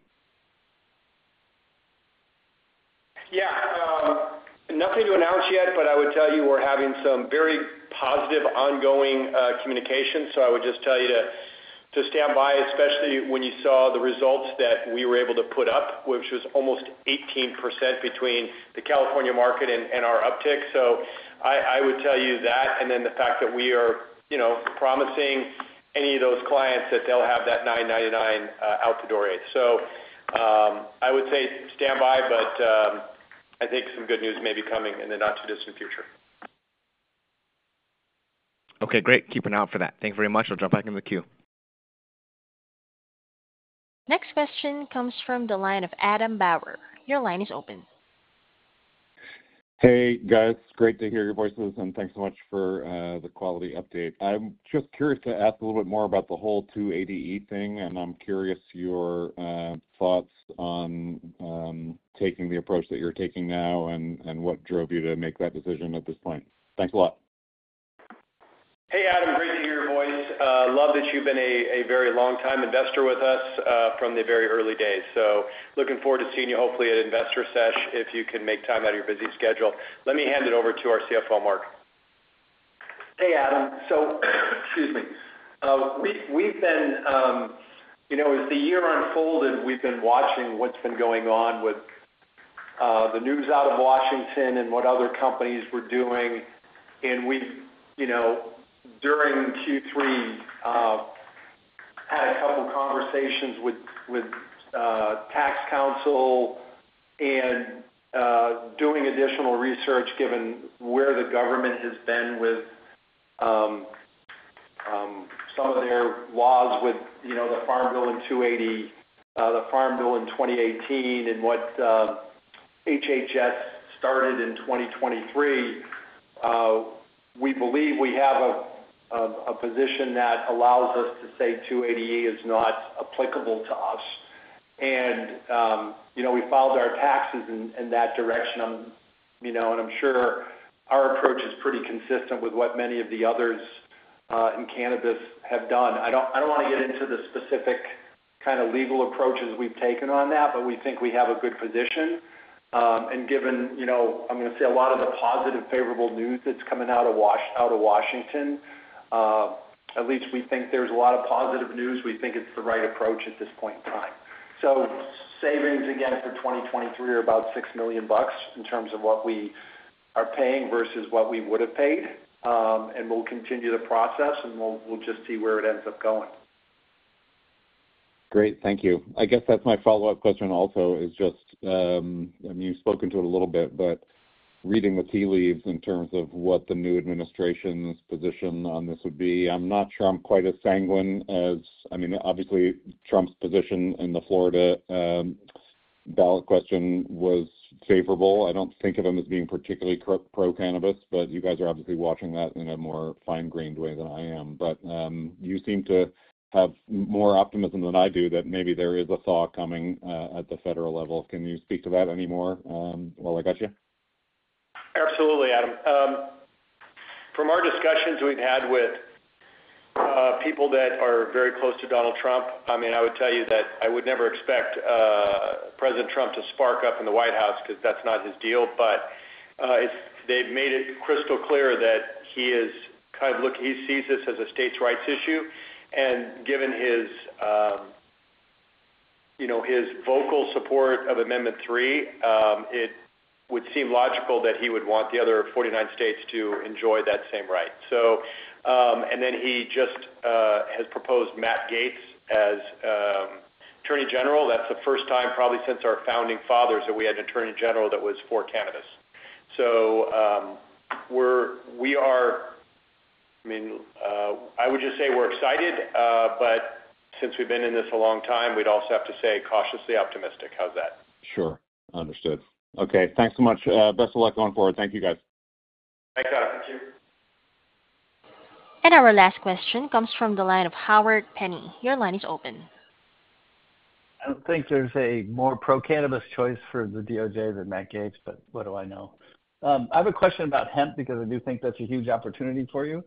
Yeah. Nothing to announce yet, but I would tell you we're having some very positive ongoing communication. So I would just tell you to stand by, especially when you saw the results that we were able to put up, which was almost 18% between the California market and our uptick. So I I would tell you that. And then the fact that we are you know promising any of those clients that they'll have that $9.99 out the door. So I would say stand by, but I think some good news may be coming in the not-too-distant future. Okay. Great. Keep an eye out for that. Thank you very much. I'll jump back in the queue. Next question comes from the line of Adam Bauer. Your line is open. Hey, guys. Great to hear your voices, and thanks so much for the quarterly update. I'm just curious to ask a little bit more about the whole 280E thing, and I'm curious your thoughts on taking the approach that you're taking now and and what drove you to make that decision at this point. Thanks a lot. Hey, Adam. Great to hear your voice. Love that you've been a very long-time investor with us from the very early days. So looking forward to seeing you, hopefully, at Investor Sesh if you can make time out of your busy schedule. Let me hand it over to our CFO, Mark. Hey, Adam. So excuse me. We've we've been, as the year unfolded, watching what's been going on with the news out of Washington and what other companies were doing. And we've you know, during Q3, had a couple of conversations with tax counsel and doing additional research given where the government has been with some of their laws with you know the Farm Bill and 280E, the Farm Bill in 2018, and what HHS started in 2023. We believe we have a position that allows us to say 280E is not applicable to us, and you know we filed our taxes in that direction. And you know I'm sure our approach is pretty consistent with what many of the others in cannabis have done. I don't want to get into the specific kind of legal approaches we've taken on that, but we think we have a good position. And given you know I'm going to say a lot of the positive, favorable out of that's coming out of out of Washington, at least we think there's a lot of positive news. We think it's the right approach at this point in time. So savings, again, for 2023 are about $6 million in terms of what we are paying versus what we would have paid. And we'll continue the process, and we'll just see where it ends up going. Great. Thank you. I guess that's my follow-up question also is just. I mean, you've spoken to it a little bit, but reading the tea leaves in terms of what the new administration's position on this would be, I'm not quite as sanguine as. I mean, obviously, Trump's position in the Florida ballot question was favorable. I don't think of him as being particularly pro-cannabis, but you guys are obviously watching that in a more fine-grained way than I am. But you seem to have more optimism than I do that maybe there is a thaw coming at the federal level. Can you speak to that any more while I got you? Absolutely, Adam. From our discussions we've had with people that are very close to Donald Trump, I mean, I would tell you that I would never expect President Trump to spark up in the White House because that's not his deal. But they've made it crystal clear that he is kind of looking, he sees this as a states' rights issue. And given his you know his vocal support of Amendment 3, it would seem logical that he would want the other 49 states to enjoy that same right. So and then he just has proposed Matt Gaetz as Attorney General. That's the first time probably since our founding fathers that we had an Attorney General that was for cannabis. So we're we are, I mean, I would just say we're excited, but since we've been in this a long time, we'd also have to say cautiously optimistic. How's that? Sure. Understood. Okay. Thanks so much. Best of luck going forward. Thank you, guys. Thanks, Adam. Thank you. And our last question comes from the line of Howard Penney. Your line is open. I don't think there's a more pro-cannabis choice for the DOJ than Matt Gaetz, but what do I know? I have a question about hemp because I do think that's a huge opportunity for you.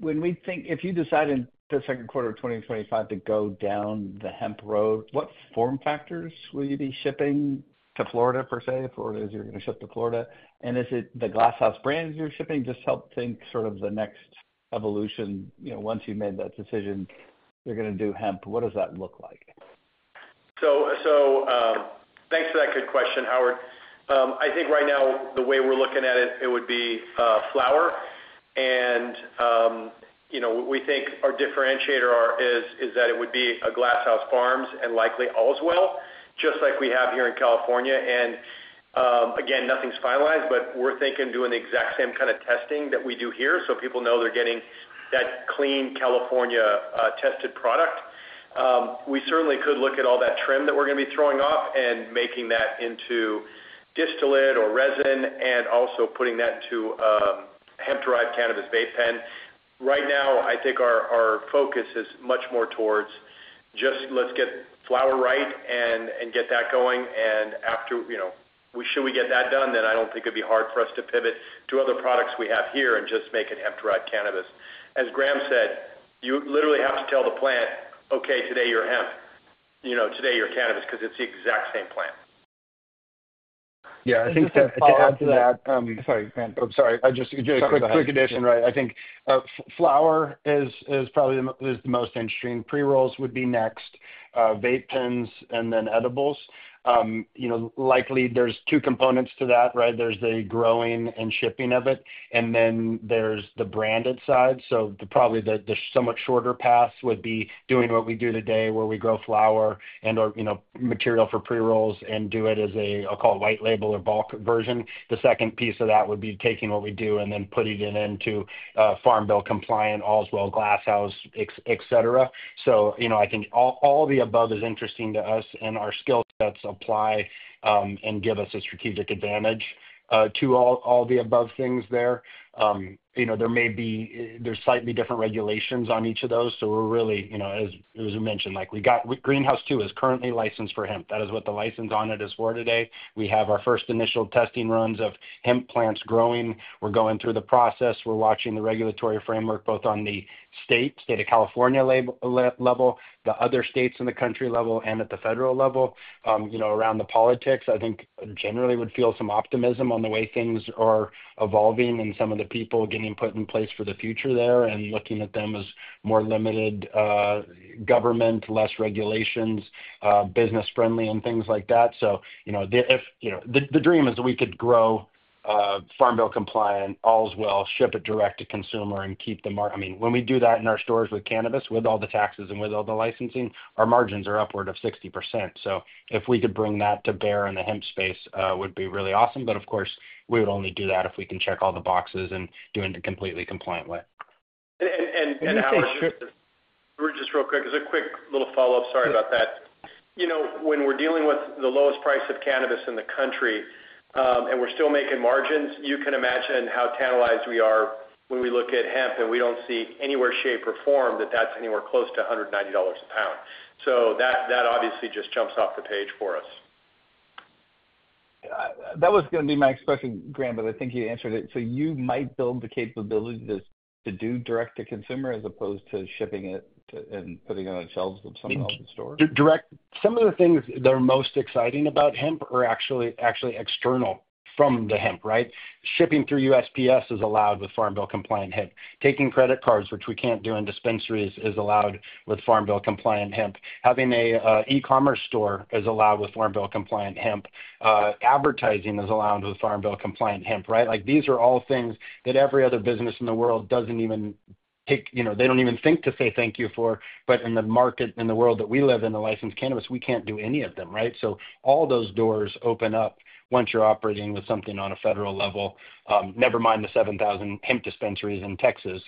When we think If you decide in the second quarter of 2025 to go down the hemp road, what form factors will you be shipping to Florida, per se? Florida is you're going to ship to Florida. And is it the Glass House brand you're shipping? Just help think sort of the next evolution. You know once you've made that decision, you're going to do hemp, what does that look like? So so, thanks for that good question, Howard. I think right now, the way we're looking at it, it would be flower. And you know what we think our differentiator is that it would be a Glass House Farms and likely Allswell, just like we have here in California. And again, nothing's finalized, but we're thinking of doing the exact same kind of testing that we do here so people know they're getting that clean California tested product. We certainly could look at all that trim that we're going to be throwing off and making that into distillate or resin and also putting that to hemp-derived cannabis vape pen. Right now, I think our our focus is much more towards just let's get flower right and get that going. And after you know we get that done, then I don't think it'd be hard for us to pivot to other products we have here and just make it hemp-derived cannabis. As Graham said, you literally have to tell the plant, "Okay, today you're hemp. You know today you're cannabis," because it's the exact same plant. Yeah. I think to add to that, Sorry, Graham. I'm sorry. Just a quick addition, right? I think flower is probably the most interesting. Pre-rolls would be next, vape pens, and then edibles. You know likely, there's two components to that, right? There's the growing and shipping of it, and then there's the branded side. So probably the somewhat shorter path would be doing what we do today where we grow flower and/or you know material for pre-rolls and do it as a, I'll call it white label or bulk version. The second piece of that would be taking what we do and then putting it into Farm Bill compliant, Allswell, Glass House, etc. So you know I think all the above is interesting to us, and our skill sets apply and give us a strategic advantage to all all the above things there. You know there may be, there's slightly different regulations on each of those. So we're really you know, as we mentioned, like we got Greenhouse 2 is currently licensed for hemp. That is what the license on it is for today. We have our first initial testing runs of hemp plants growing. We're going through the process. We're watching the regulatory framework both on the state of California level, the other states in the country level, and at the federal level. You know around the politics, I think generally would feel some optimism on the way things are evolving and some of the people getting put in place for the future there and looking at them as more limited government, less regulations, business-friendly, and things like that. So you know the if you know, the dream is that we could grow Farm Bill compliant, Allswell, ship it direct to consumer and keep the—I mean, when we do that in our stores with cannabis, with all the taxes and with all the licensing, our margins are upward of 60%. So if we could bring that to bear in the hemp space, it would be really awesome. But of course, we would only do that if we can check all the boxes and do it in a completely compliant way. And and, just real quick, as a quick little follow-up, sorry about that. You know when we're dealing with the lowest price of cannabis in the country and we're still making margins, you can imagine how tantalized we are when we look at hemp and we don't see anywhere shape or form that that's anywhere close to $190 a pound. So that that obviously just jumps off the page for us. You know that was going to be my next question, Graham, but I think you answered it. So you might build the capability to do direct-to-consumer as opposed to shipping it and putting it on shelves of some of the stores? Some of the things that are most exciting about hemp are actually actually external from the hemp, right? Shipping through USPS is allowed with Farm Bill compliant hemp. Taking credit cards, which we can't do in dispensaries, is allowed with Farm Bill compliant hemp. Having an e-commerce store is allowed with Farm Bill compliant hemp. Advertising is allowed with Farm Bill compliant hemp, right? These are all things that every other business in the world doesn't even pick, you know they don't even think to say thank you for. But in the market, in the world that we live in, the licensed cannabis, we can't do any of them, right? So all those doors open up once you're operating with something on a federal level, never mind the 7,000 hemp dispensaries in Texas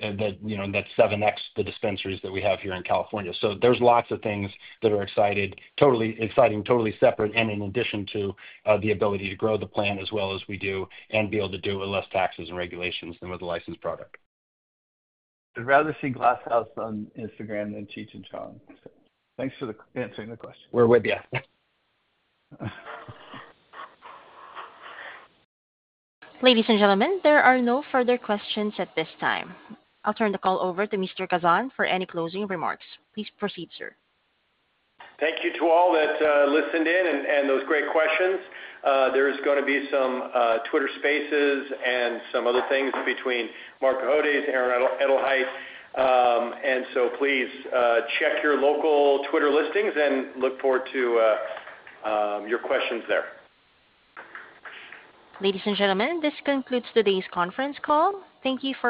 that's you know that's 7X the dispensaries that we have here in California. So there's lots of things that are excited, totally exciting totally separate, and in addition to the ability to grow the plant as well as we do and be able to do it with less taxes and regulations than with a licensed product. I'd rather see Glass House on Instagram than Cheech and Chong. Thanks for answering the question. We're with you. Ladies and gentlemen, there are no further questions at this time. I'll turn the call over to Mr. Kazan for any closing remarks. Please proceed, sir. Thank you to all that listened in and those great questions. There's gonna be some Twitter Spaces and some other things between Marc Cohodes and Aaron Edelheit. And so please check your local Twitter listings and look forward to your questions there. Ladies and gentlemen, this concludes today's conference call. Thank you for.